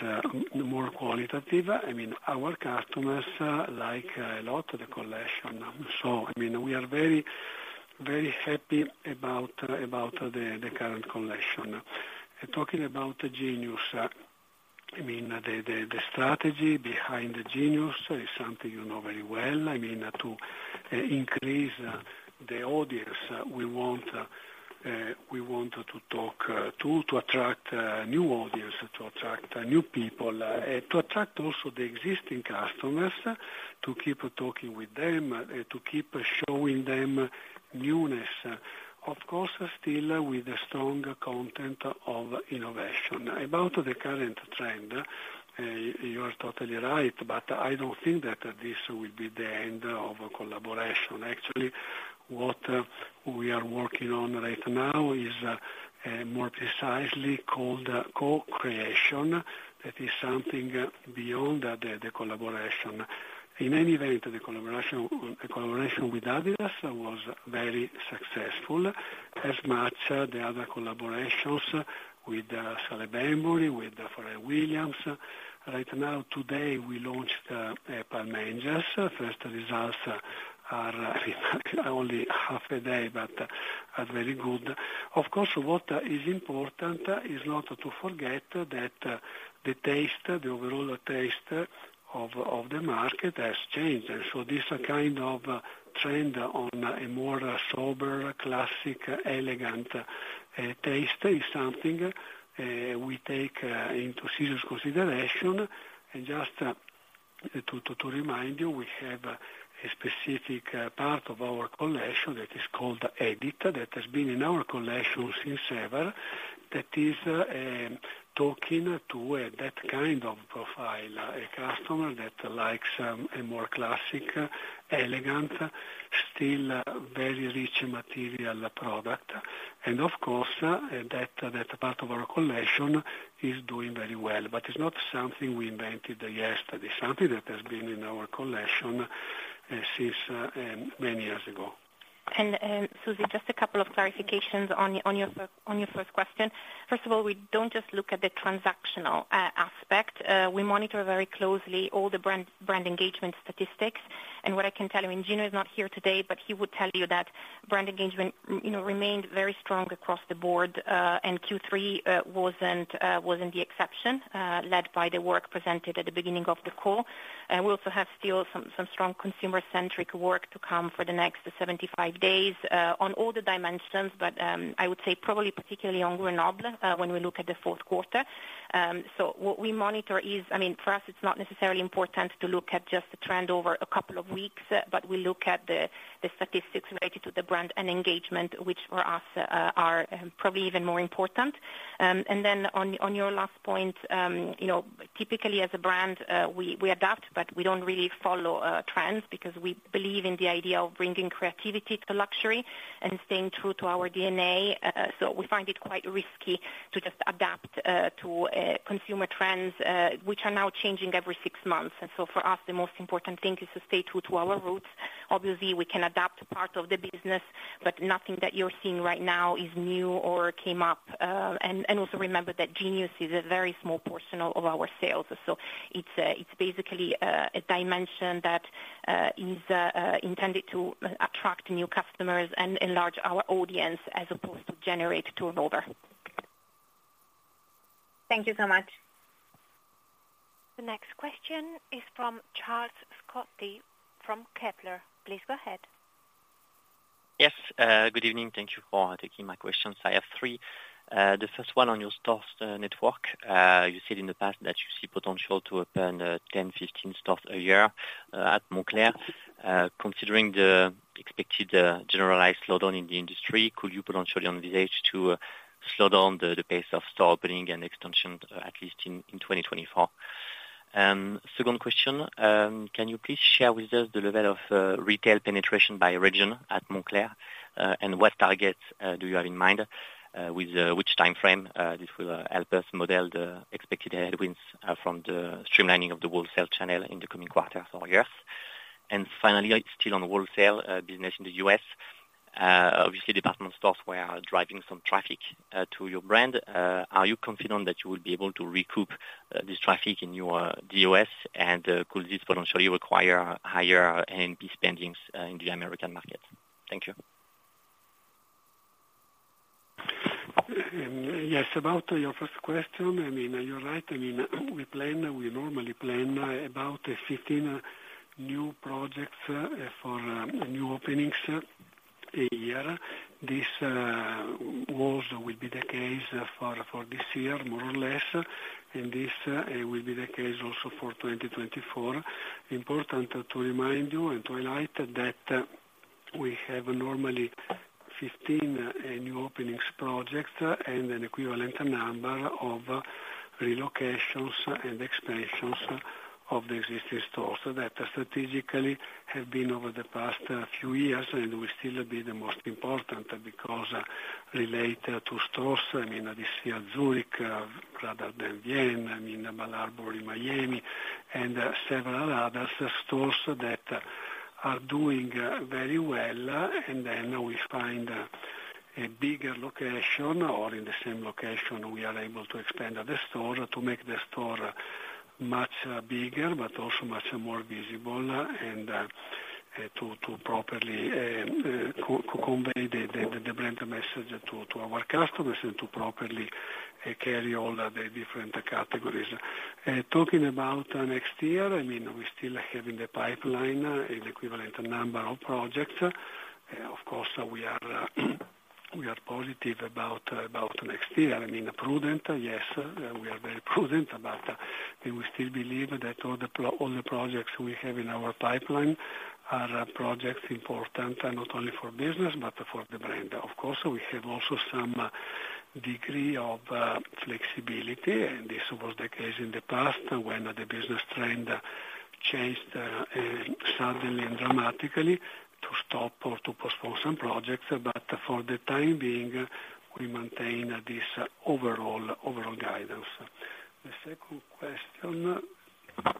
but is more qualitative, I mean, our customers, like a lot, the collection. I mean, we are very, very happy about the current collection. Talking about Genius, I mean, the strategy behind the Genius is something you know very well. I mean, to increase the audience, we want, we want to talk, to attract new audience, to attract new people, to attract also the existing customers, to keep talking with them, to keep showing them newness. Of course, still with a strong content of innovation. About the current trend, you are totally right, but I don't think that this will be the end of collaboration. Actually, what we are working on right now is more precisely called co-creation. That is something beyond the collaboration. In any event, the collaboration with adidas was very successful, as much the other collaborations with Salehe Bembury, with Pharrell Williams. Right now, today, we launched Palm Angels. First results are only half a day, but are very good. Of course, what is important is not to forget that the taste, the overall taste of the market has changed. So this kind of trend on a more sober, classic, elegant taste is something we take into serious consideration. Just to remind you, we have a specific part of our collection that is called Edit, that has been in our collection since ever. That is talking to that kind of profile, a customer that likes a more classic, elegant, still very rich material product. And of course, that part of our collection is doing very well, but it's not something we invented yesterday, something that has been in our collection since many years ago. Susie, just a couple of clarifications on, on your, on your first question. First of all, we don't just look at the transactional aspect. We monitor very closely all the brand engagement statistics. And what I can tell you, and Gino is not here today, but he would tell you that brand engagement, you know, remained very strong across the board, and Q3 wasn't the exception, led by the work presented at the beginning of the call. We also have still some strong consumer-centric work to come for the next 75 days, on all the dimensions, but I would say probably particularly on Grenoble, when we look at the Q4. So what we monitor is... I mean, for us, it's not necessarily important to look at just the trend over a couple of weeks, but we look at the statistics related to the brand and engagement, which for us are probably even more important. And then on your last point, you know, typically as a brand, we adapt, but we don't really follow trends because we believe in the idea of bringing creativity to luxury and staying true to our DNA. So we find it quite risky to just adapt to consumer trends, which are now changing every six months. And so for us, the most important thing is to stay true to our roots. Obviously, we can adapt part of the business, but nothing that you're seeing right now is new or came up. Also remember that Genius is a very small portion of our sales. So it's basically a dimension that is intended to attract new customers and enlarge our audience, as opposed to generate turnover. Thank you so much. The next question is from Charles-Louis Scotti from Kepler. Please go ahead. Yes, good evening. Thank you for taking my questions. I have three. The first one on your stores network. You said in the past that you see potential to open 10, 15 stores a year at Moncler. Considering the expected generalized slowdown in the industry, could you potentially envisage to slow down the pace of store opening and expansion, at least in 2024? Second question, can you please share with us the level of retail penetration by region at Moncler? And what targets do you have in mind with which timeframe? This will help us model the expected headwinds from the streamlining of the wholesale channel in the coming quarters or years. And finally, still on the wholesale business in the U.S. Obviously, department stores were driving some traffic to your brand. Are you confident that you will be able to recoup this traffic in your DOS? Could this potentially require higher NP spendings in the American market? Thank you. Yes, about your first question, I mean, you're right. I mean, we plan, we normally plan about 15 new projects for new openings a year. This also will be the case for this year, more or less, and this will be the case also for 2024. Important to remind you and to highlight that we have normally 15 new openings projects and an equivalent number of relocations and expansions of the existing stores. That strategically have been over the past few years and will still be the most important, because relate to stores, I mean, this year, Zurich rather than Vienna, I mean, Bal Harbour in Miami, and several other stores that are doing very well. And then we find a bigger location or in the same location, we are able to expand the store, to make the store-... Much bigger, but also much more visible, and to properly convey the brand message to our customers and to properly carry all the different categories. Talking about next year, I mean, we're still having the pipeline and equivalent number of projects. Of course, we are positive about next year. I mean, prudent, yes, we are very prudent, but we still believe that all the projects we have in our pipeline are projects important, not only for business, but for the brand. Of course, we have also some degree of flexibility, and this was the case in the past, when the business trend changed suddenly and dramatically to stop or to postpone some projects, but for the time being, we maintain this overall guidance. The second question?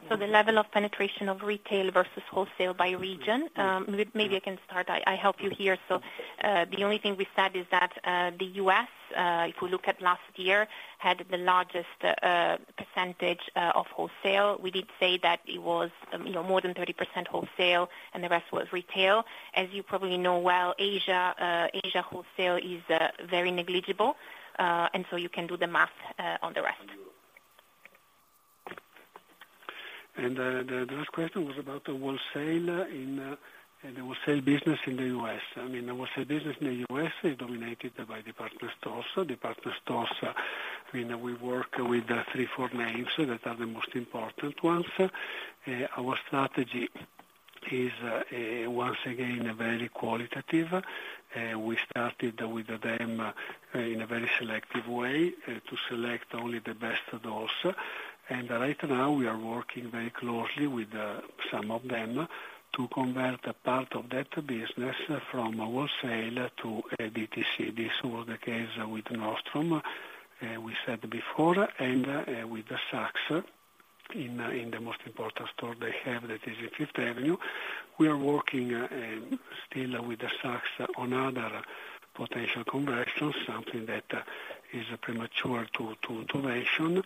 So the level of penetration of retail versus wholesale by region. Maybe I can start, I help you here. So, the only thing we said is that, the US, if we look at last year, had the largest, percentage, of wholesale. We did say that it was, you know, more than 30% wholesale, and the rest was retail. As you probably know well, Asia, Asia wholesale is, very negligible, and so you can do the math, on the rest. The last question was about the wholesale in the wholesale business in the U.S. I mean, the wholesale business in the U.S. is dominated by department stores. Department stores, I mean, we work with three, four names that are the most important ones. Our strategy is, once again, very qualitative. We started with them in a very selective way to select only the best of those. And right now, we are working very closely with some of them to convert a part of that business from wholesale to DTC. This was the case with Nordstrom, we said before, and with the Saks in the most important store they have, that is in Fifth Avenue. We are working still with the Saks on other potential conversions, something that is premature to mention.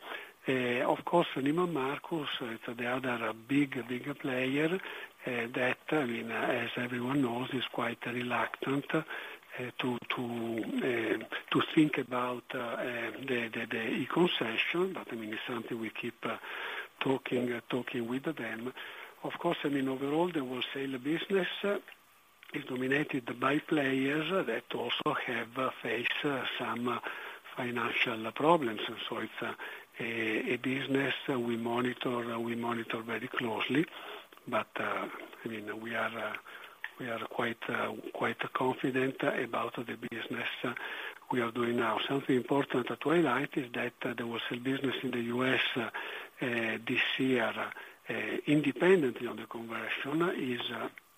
Of course, Neiman Marcus, the other big, big player, that, I mean, as everyone knows, is quite reluctant to think about the e-concession. But I mean, it's something we keep talking with them. Of course, I mean, overall, the wholesale business is dominated by players that also have faced some financial problems. So it's a business we monitor very closely. But I mean, we are quite confident about the business we are doing now. Something important to highlight is that the wholesale business in the U.S., this year, independently on the conversion, is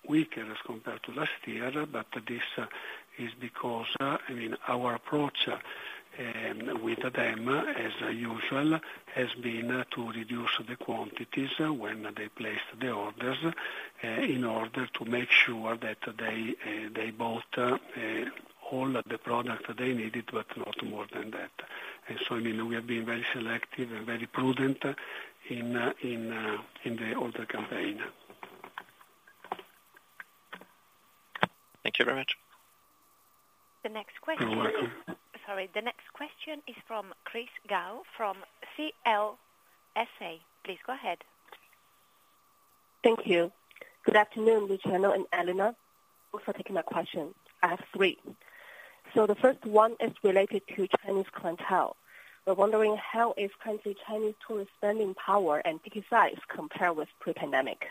weaker as compared to last year, but this is because, I mean, our approach with them, as usual, has been to reduce the quantities when they place the orders, in order to make sure that they bought all the product they needed, but not more than that. So, I mean, we have been very selective and very prudent in the order campaign. Thank you very much. The next question- You're welcome. Sorry. The next question is from Chris Gao from CLSA. Please go ahead. Thank you. Good afternoon, Luciano and Elena. Thanks for taking my question. I have three. So the first one is related to Chinese clientele. We're wondering how is currently Chinese tourist spending power and ticket size compare with pre-pandemic?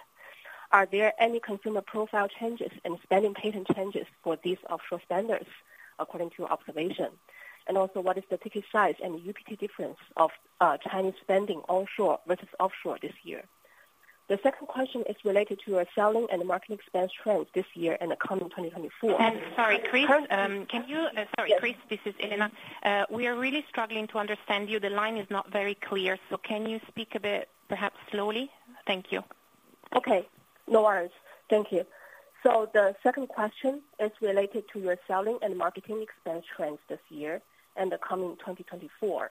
Are there any consumer profile changes and spending pattern changes for these offshore spenders, according to your observation? And also, what is the ticket size and UPT difference of Chinese spending onshore versus offshore this year? The second question is related to your selling and marketing expense trends this year and the coming 2024. And sorry, Chris, can you... Sorry, Chris, this is Elena. We are really struggling to understand you. The line is not very clear, so can you speak a bit, perhaps slowly? Thank you. Okay, no worries. Thank you. So the second question is related to your selling and marketing expense trends this year and the coming 2024.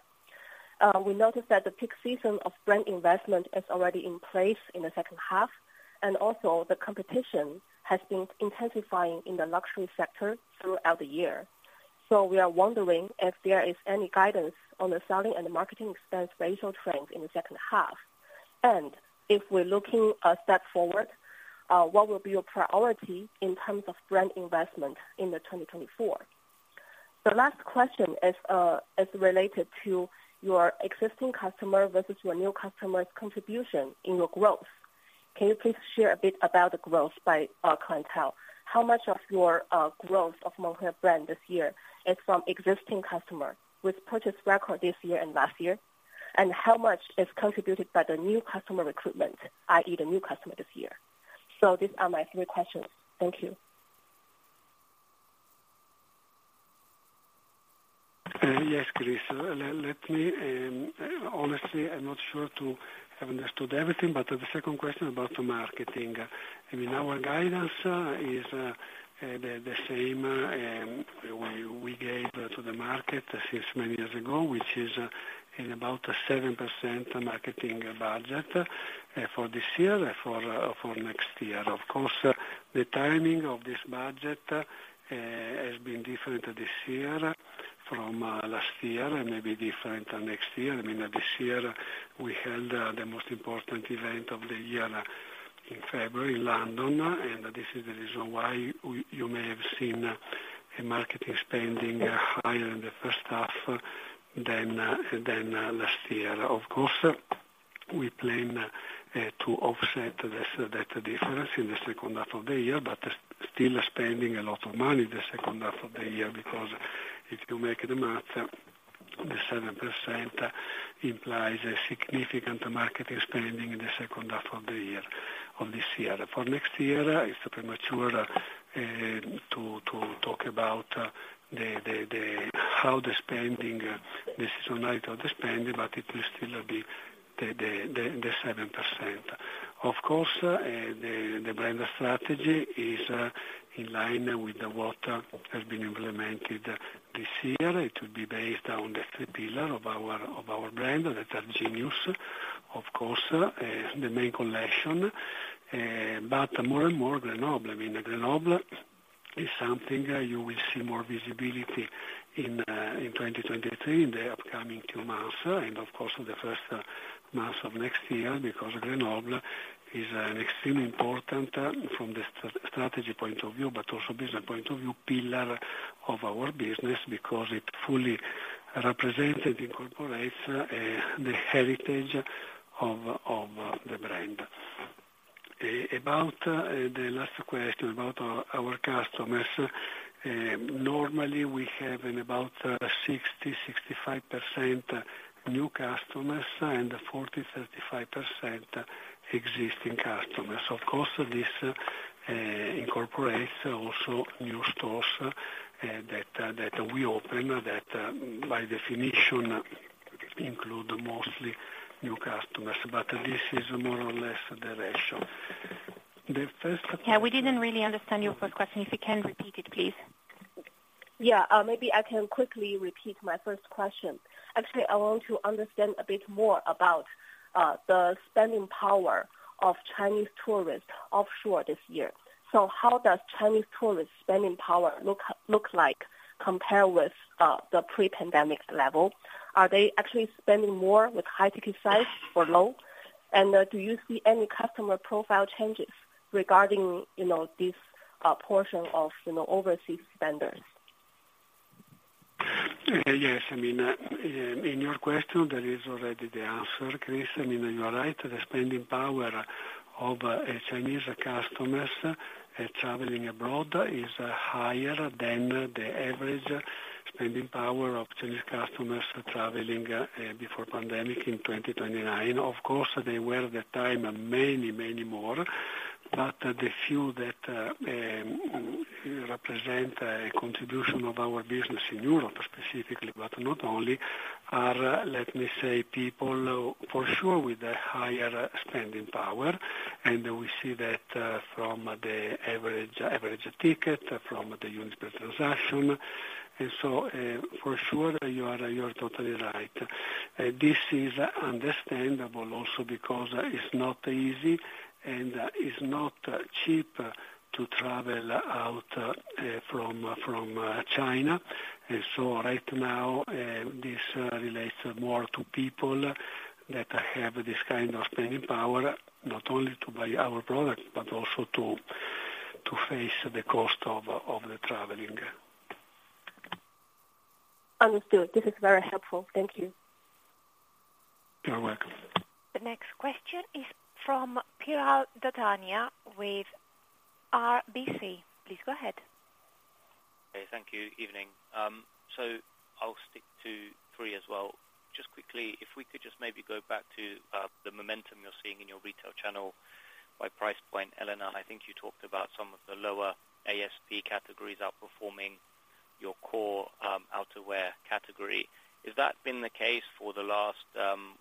We noticed that the peak season of brand investment is already in place in the H2, and also the competition has been intensifying in the luxury sector throughout the year. So we are wondering if there is any guidance on the selling and marketing expense ratio trends in the H2. And if we're looking a step forward, what will be your priority in terms of brand investment in the 2024? The last question is related to your existing customer versus your new customers' contribution in your growth. Can you please share a bit about the growth by clientele? How much of your growth of Moncler brand this year is from existing customer, with purchase record this year and last year, and how much is contributed by the new customer recruitment, i.e., the new customer this year? These are my three questions. Thank you. ... Yes, Chris, let me, honestly, I'm not sure to have understood everything, but the second question about the marketing. I mean, our guidance is the same we gave to the market since many years ago, which is in about 7% marketing budget for this year, for next year. Of course, the timing of this budget has been different this year from last year and maybe different than next year. I mean, this year we held the most important event of the year in February, in London, and this is the reason why you may have seen a marketing spending higher in the H1 than last year. Of course, we plan to offset this, that difference in the H2 of the year, but still spending a lot of money in the H2 of the year, because if you make the math, the 7% implies a significant marketing spending in the H2 of the year, of this year. For next year, it's premature to talk about the seasonality of the spending, but it will still be the 7%. Of course, the brand strategy is in line with what has been implemented this year. It will be based on the three pillar of our brand, that are Genius, of course, the main collection, but more and more Grenoble. I mean, Grenoble is something you will see more visibility in in 2023, in the upcoming two months, and of course, the first months of next year, because Grenoble is an extremely important from the strategy point of view, but also business point of view, pillar of our business, because it fully represents and incorporates the heritage of the brand. About the last question about our customers, normally we have about 65% new customers and 35% existing customers. Of course, this incorporates also new stores that we open, that by definition include mostly new customers, but this is more or less the ratio. The first question- Yeah, we didn't really understand your first question. If you can repeat it, please. Yeah, maybe I can quickly repeat my first question. Actually, I want to understand a bit more about the spending power of Chinese tourists offshore this year. So how does Chinese tourists' spending power look like compared with the pre-pandemic level? Are they actually spending more with high ticket size or low? And do you see any customer profile changes regarding you know this portion of you know overseas spenders? Yes, I mean, in your question, there is already the answer, Chris. I mean, you are right. The spending power of Chinese customers traveling abroad is higher than the average spending power of Chinese customers traveling before pandemic in 2029. Of course, they were at that time, many, many more, but the few that represent a contribution of our business in Europe specifically, but not only, are, let me say, people for sure with a higher spending power. And we see that from the average, average ticket, from the units per transaction. And so, for sure, you are, you are totally right. This is understandable also because it's not easy, and it's not cheap to travel out from China. So right now, this relates more to people that have this kind of spending power, not only to buy our products, but also to face the cost of the traveling. Understood. This is very helpful. Thank you. You're welcome. The next question is from Piral Dadania with RBC. Please go ahead. Okay, thank you. Evening. So I'll stick to three as well. Just quickly, if we could just maybe go back to the momentum you're seeing in your retail channel by price point. Elena, I think you talked about some of the lower ASP categories outperforming your core outerwear category. Has that been the case for the last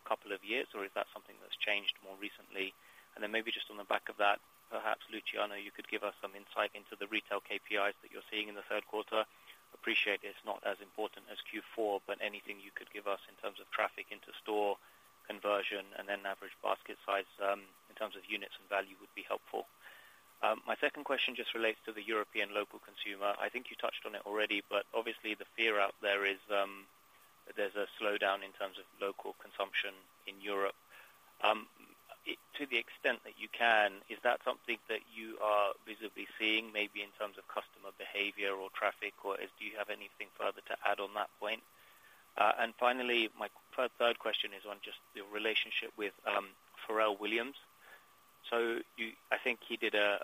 couple of years, or is that something that's changed more recently? And then maybe just on the back of that, perhaps Luciano, you could give us some insight into the retail KPIs that you're seeing in theQ3. Appreciate it's not as important as Q4, but anything you could give us in terms of traffic into store conversion and then average basket size in terms of units and value would be helpful. My second question just relates to the European local consumer. I think you touched on it already, but obviously the fear out there is, there's a slowdown in terms of local consumption in Europe. To the extent that you can, is that something that you are visibly seeing, maybe in terms of customer behavior or traffic, or do you have anything further to add on that point? And finally, my third, third question is on just your relationship with Pharrell Williams. So you -- I think he did a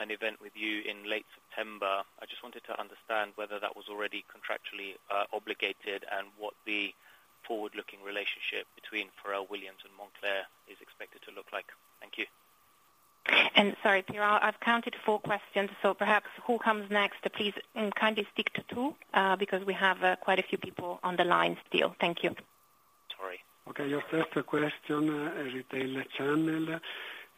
an event with you in late September. I just wanted to understand whether that was already contractually obligated and what the forward-looking relationship between Pharrell Williams and Moncler is expected to look like. Thank you.... And sorry, Piero, I've counted four questions, so perhaps who comes next, please, kindly stick to two, because we have quite a few people on the line still. Thank you. Sorry. Okay, your first question, retail channel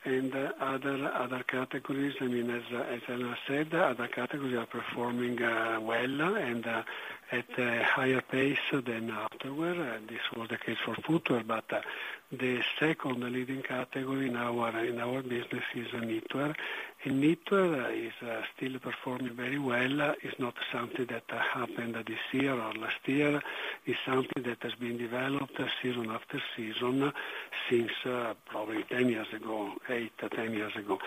and other categories. I mean, as Elena said, other categories are performing well and at a higher pace than outerwear, and this was the case for footwear. But the second leading category in our business is knitwear, and knitwear is still performing very well. It's not something that happened this year or last year. It's something that has been developed season after season since probably 10 years ago, 8 or 10 years ago.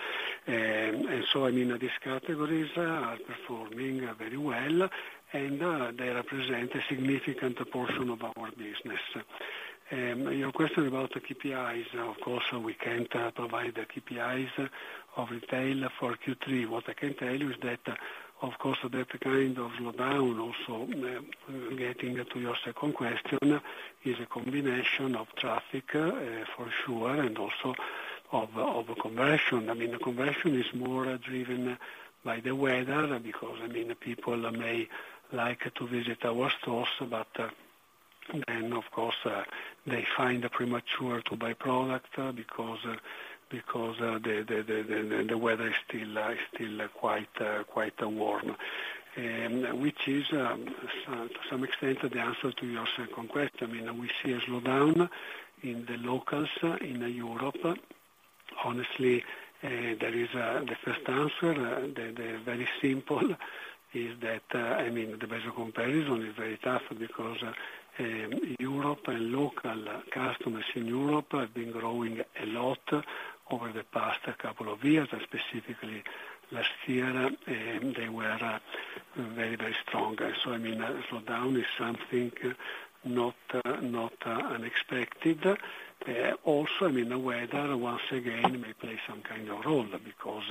And so I mean, these categories are performing very well, and they represent a significant portion of our business. Your question about the KPIs, of course, we can't provide the KPIs of retail for Q3. What I can tell you is that, of course, that kind of slowdown, also getting to your second question, is a combination of traffic, for sure, and also of conversion. I mean, the conversion is more driven by the weather, because, I mean, people may like to visit our stores, but then, of course, they find it premature to buy product, because the weather is still quite warm. Which is, to some extent, the answer to your second question. I mean, we see a slowdown in the locals in Europe. Honestly, the first answer, the very simple is that, I mean, the comparison is very tough because Europe and local customers in Europe have been growing a lot over the past couple of years, specifically last year, and they were very, very strong. So I mean, a slowdown is something not, not unexpected. Also, I mean, the weather, once again, may play some kind of role because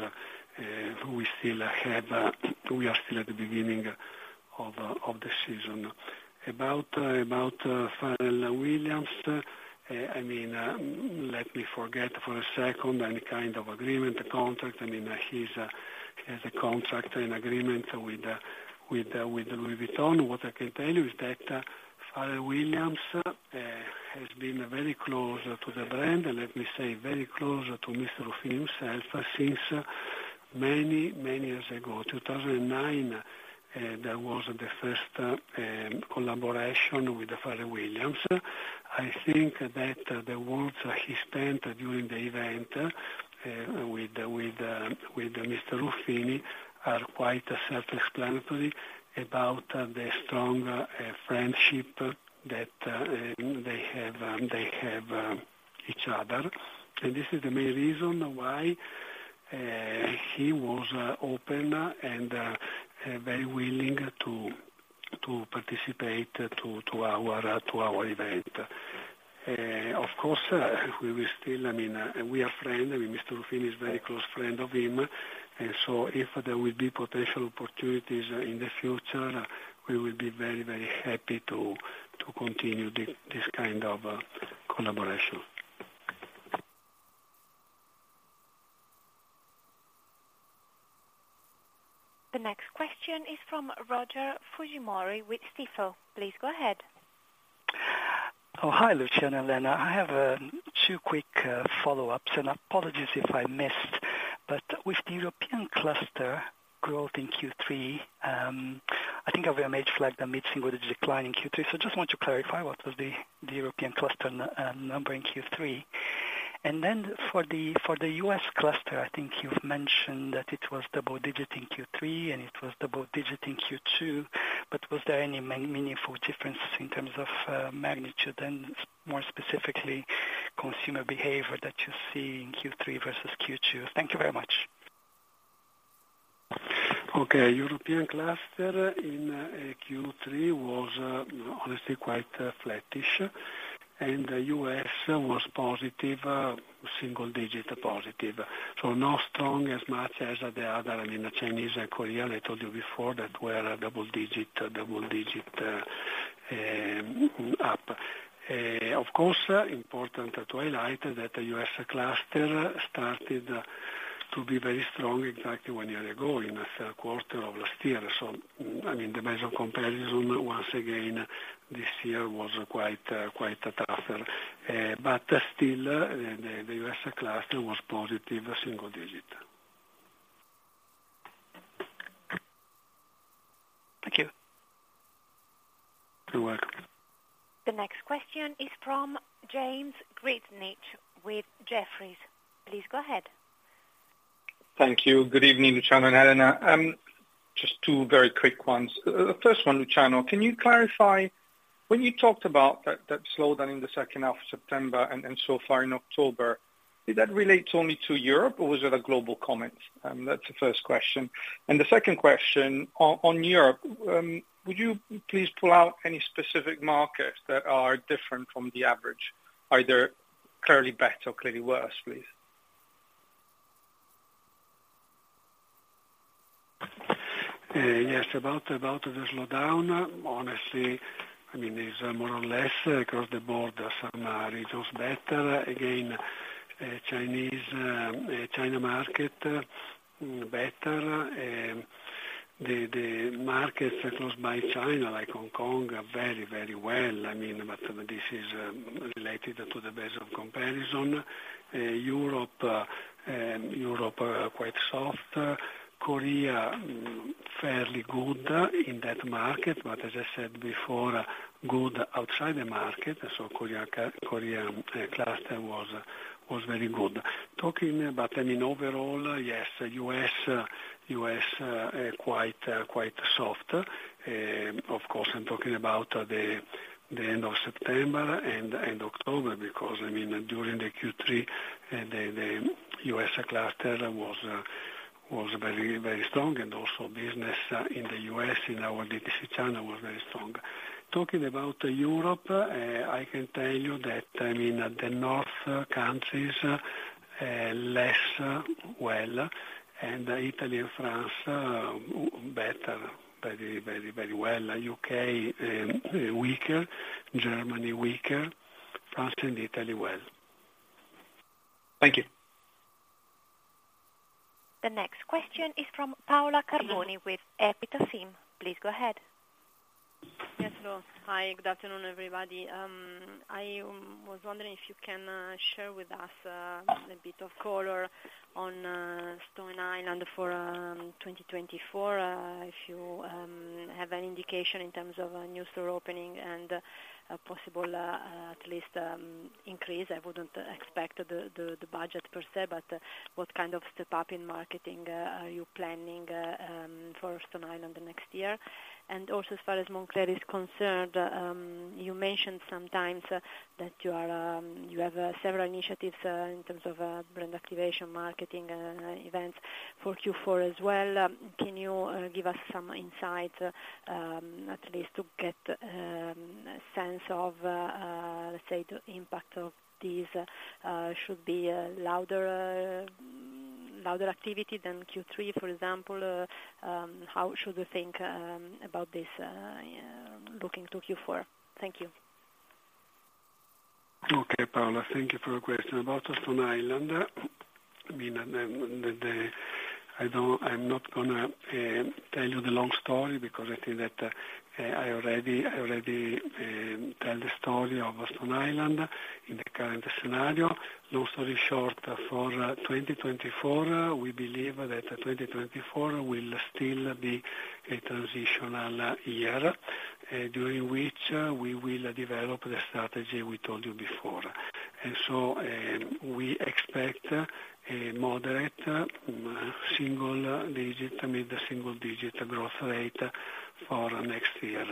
we still have, we are still at the beginning of of the season. About about Pharrell Williams, I mean, let me forget for a second any kind of agreement or contract. I mean, he's he has a contract and agreement with with with Louis Vuitton. What I can tell you is that, Pharrell Williams has been very close to the brand, and let me say very close to Mr. Ruffini himself, since many, many years ago. 2009, that was the first collaboration with Pharrell Williams. I think that the words he spent during the event, with, with, with Mr. Ruffini, are quite self-explanatory about the strong friendship that, they have, they have, each other. And this is the main reason why, he was open and very willing to, to participate to, to our, to our event. Of course, we will still, I mean, we are friend, I mean, Mr. Ruffini is very close friend of him, and so if there will be potential opportunities in the future, we will be very, very happy to, to continue this, this kind of collaboration. The next question is from Rogerio Fujimori with Stifel. Please go ahead. Oh, hi, Luciano and Anna. I have two quick follow-ups and apologies if I missed. But with the European cluster growth in Q3, I think I've made flag that mid-single digit decline in Q3. So I just want to clarify, what was the European cluster number in Q3? And then for the US cluster, I think you've mentioned that it was double digit in Q3 and it was double digit in Q2, but was there any meaningful difference in terms of magnitude and more specifically, consumer behavior that you see in Q3 versus Q2? Thank you very much. Okay. European cluster in Q3 was honestly quite flattish, and the US was positive single-digit positive. So not strong as much as the other, I mean, the Chinese and Korean, I told you before, that were a double-digit, double-digit up. Of course, important to highlight that the US cluster started to be very strong exactly one year ago, in theQ3 of last year. So, I mean, the measure of comparison, once again, this year was quite quite tougher. But still, the US cluster was positive, single-digit. Thank you. You're welcome. The next question is from James Grzinic with Jefferies. Please go ahead. Thank you. Good evening, Luciano and Anna. Just two very quick ones. The first one, Luciano, can you clarify when you talked about that slowdown in the H2 of September and so far in October, did that relate only to Europe, or was it a global comment? That's the first question. And the second question, on Europe, would you please pull out any specific markets that are different from the average, either clearly better or clearly worse, please? ... Yes, about the slowdown. Honestly, I mean, it's more or less across the board, some regions better. Again, Chinese China market, better, the markets close by China, like Hong Kong, are very well. I mean, but this is related to the base of comparison. Europe quite soft. Korea, fairly good in that market, but as I said before, good outside the market. So Korea cluster was very good. Talking about in overall, yes, US quite soft. Of course, I'm talking about the end of September and October, because, I mean, during the Q3, the US cluster was very strong, and also business in the US in our DTC channel was very strong. Talking about Europe, I can tell you that, I mean, the north countries, less well, and Italy and France, better. Very, very, very well. UK, weaker, Germany weaker, France and Italy well. Thank you. The next question is from Paola Carboni with Equita. Please go ahead. Yes, hello. Hi. Good afternoon, everybody. I was wondering if you can share with us a bit of color on Stone Island for 2024. If you have any indication in terms of new store opening and a possible at least increase. I wouldn't expect the budget per se, but what kind of step up in marketing are you planning for Stone Island the next year? And also, as far as Moncler is concerned, you mentioned sometimes that you have several initiatives in terms of brand activation, marketing events for Q4 as well. Can you give us some insight, at least to get a sense of, let's say, the impact of these should be louder, louder activity than Q3, for example? How should we think about this, yeah, looking to Q4? Thank you. Okay, Paula, thank you for your question. About Stone Island, I mean, the, the--I don't, I'm not gonna tell you the long story because I think that I already, I already tell the story of Stone Island in the current scenario. Long story short, for 2024, we believe that 2024 will still be a transitional year, during which we will develop the strategy we told you before. We expect a moderate, single-digit, mid-single-digit growth rate for next year.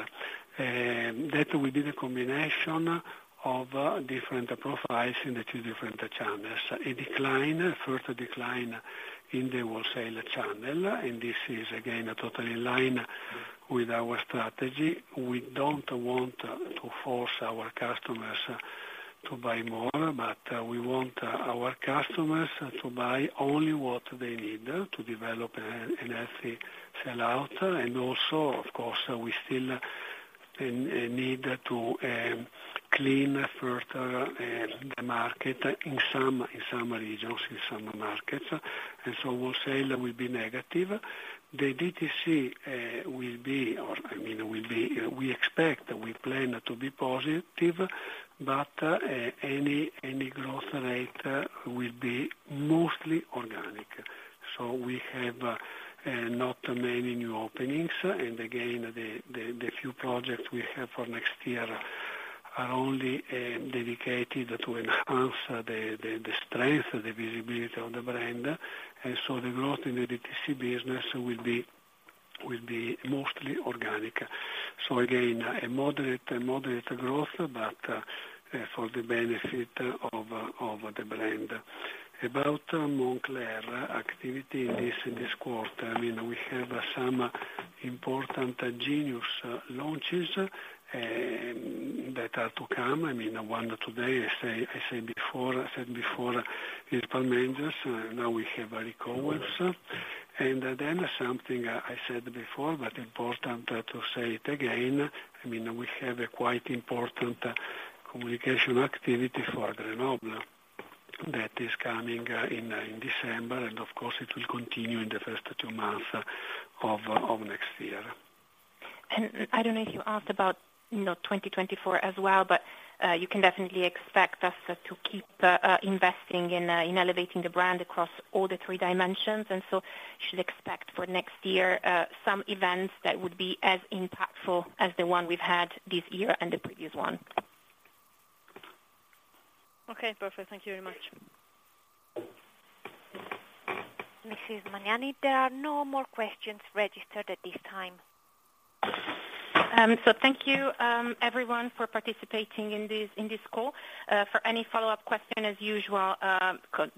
That will be the combination of different profiles in the two different channels. A decline, first, a decline in the Wholesale channel, and this is again, totally in line with our strategy. We don't want to force our customers to buy more, but we want our customers to buy only what they need to develop an healthy sellout. And also, of course, we still need to clean further the market in some regions, in some markets. And so wholesale will be negative. The DTC will be, I mean, will be, we expect, we plan to be positive, but any growth rate will be mostly organic. So we have not many new openings. And again, the few projects we have for next year are only dedicated to enhance the strength, the visibility of the brand. And so the growth in the DTC business will be mostly organic. So again, a moderate growth, but for the benefit of the brand. About Moncler activity in this quarter, I mean, we have some important Genius launches that are to come. I mean, one today, I said before, Palm Angels, now we have Rick Owens. And then something I said before, but important to say it again, I mean, we have a quite important communication activity for Grenoble that is coming in December, and of course it will continue in the first two months of next year. I don't know if you asked about, you know, 2024 as well, but you can definitely expect us to keep investing in elevating the brand across all the three dimensions. So you should expect for next year some events that would be as impactful as the one we've had this year and the previous one. Okay, perfect. Thank you very much. Mrs. Mariani, there are no more questions registered at this time. So thank you, everyone for participating in this, in this call. For any follow-up question, as usual,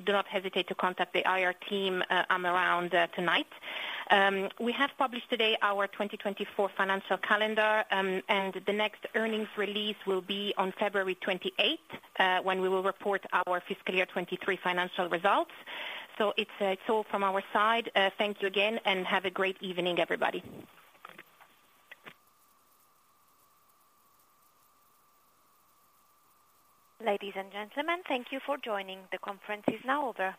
do not hesitate to contact the IR team, I'm around, tonight. We have published today our 2024 financial calendar, and the next earnings release will be on February 28, when we will report our FY 2023 financial results. So it's all from our side. Thank you again, and have a great evening, everybody. Ladies and gentlemen, thank you for joining. The conference is now over.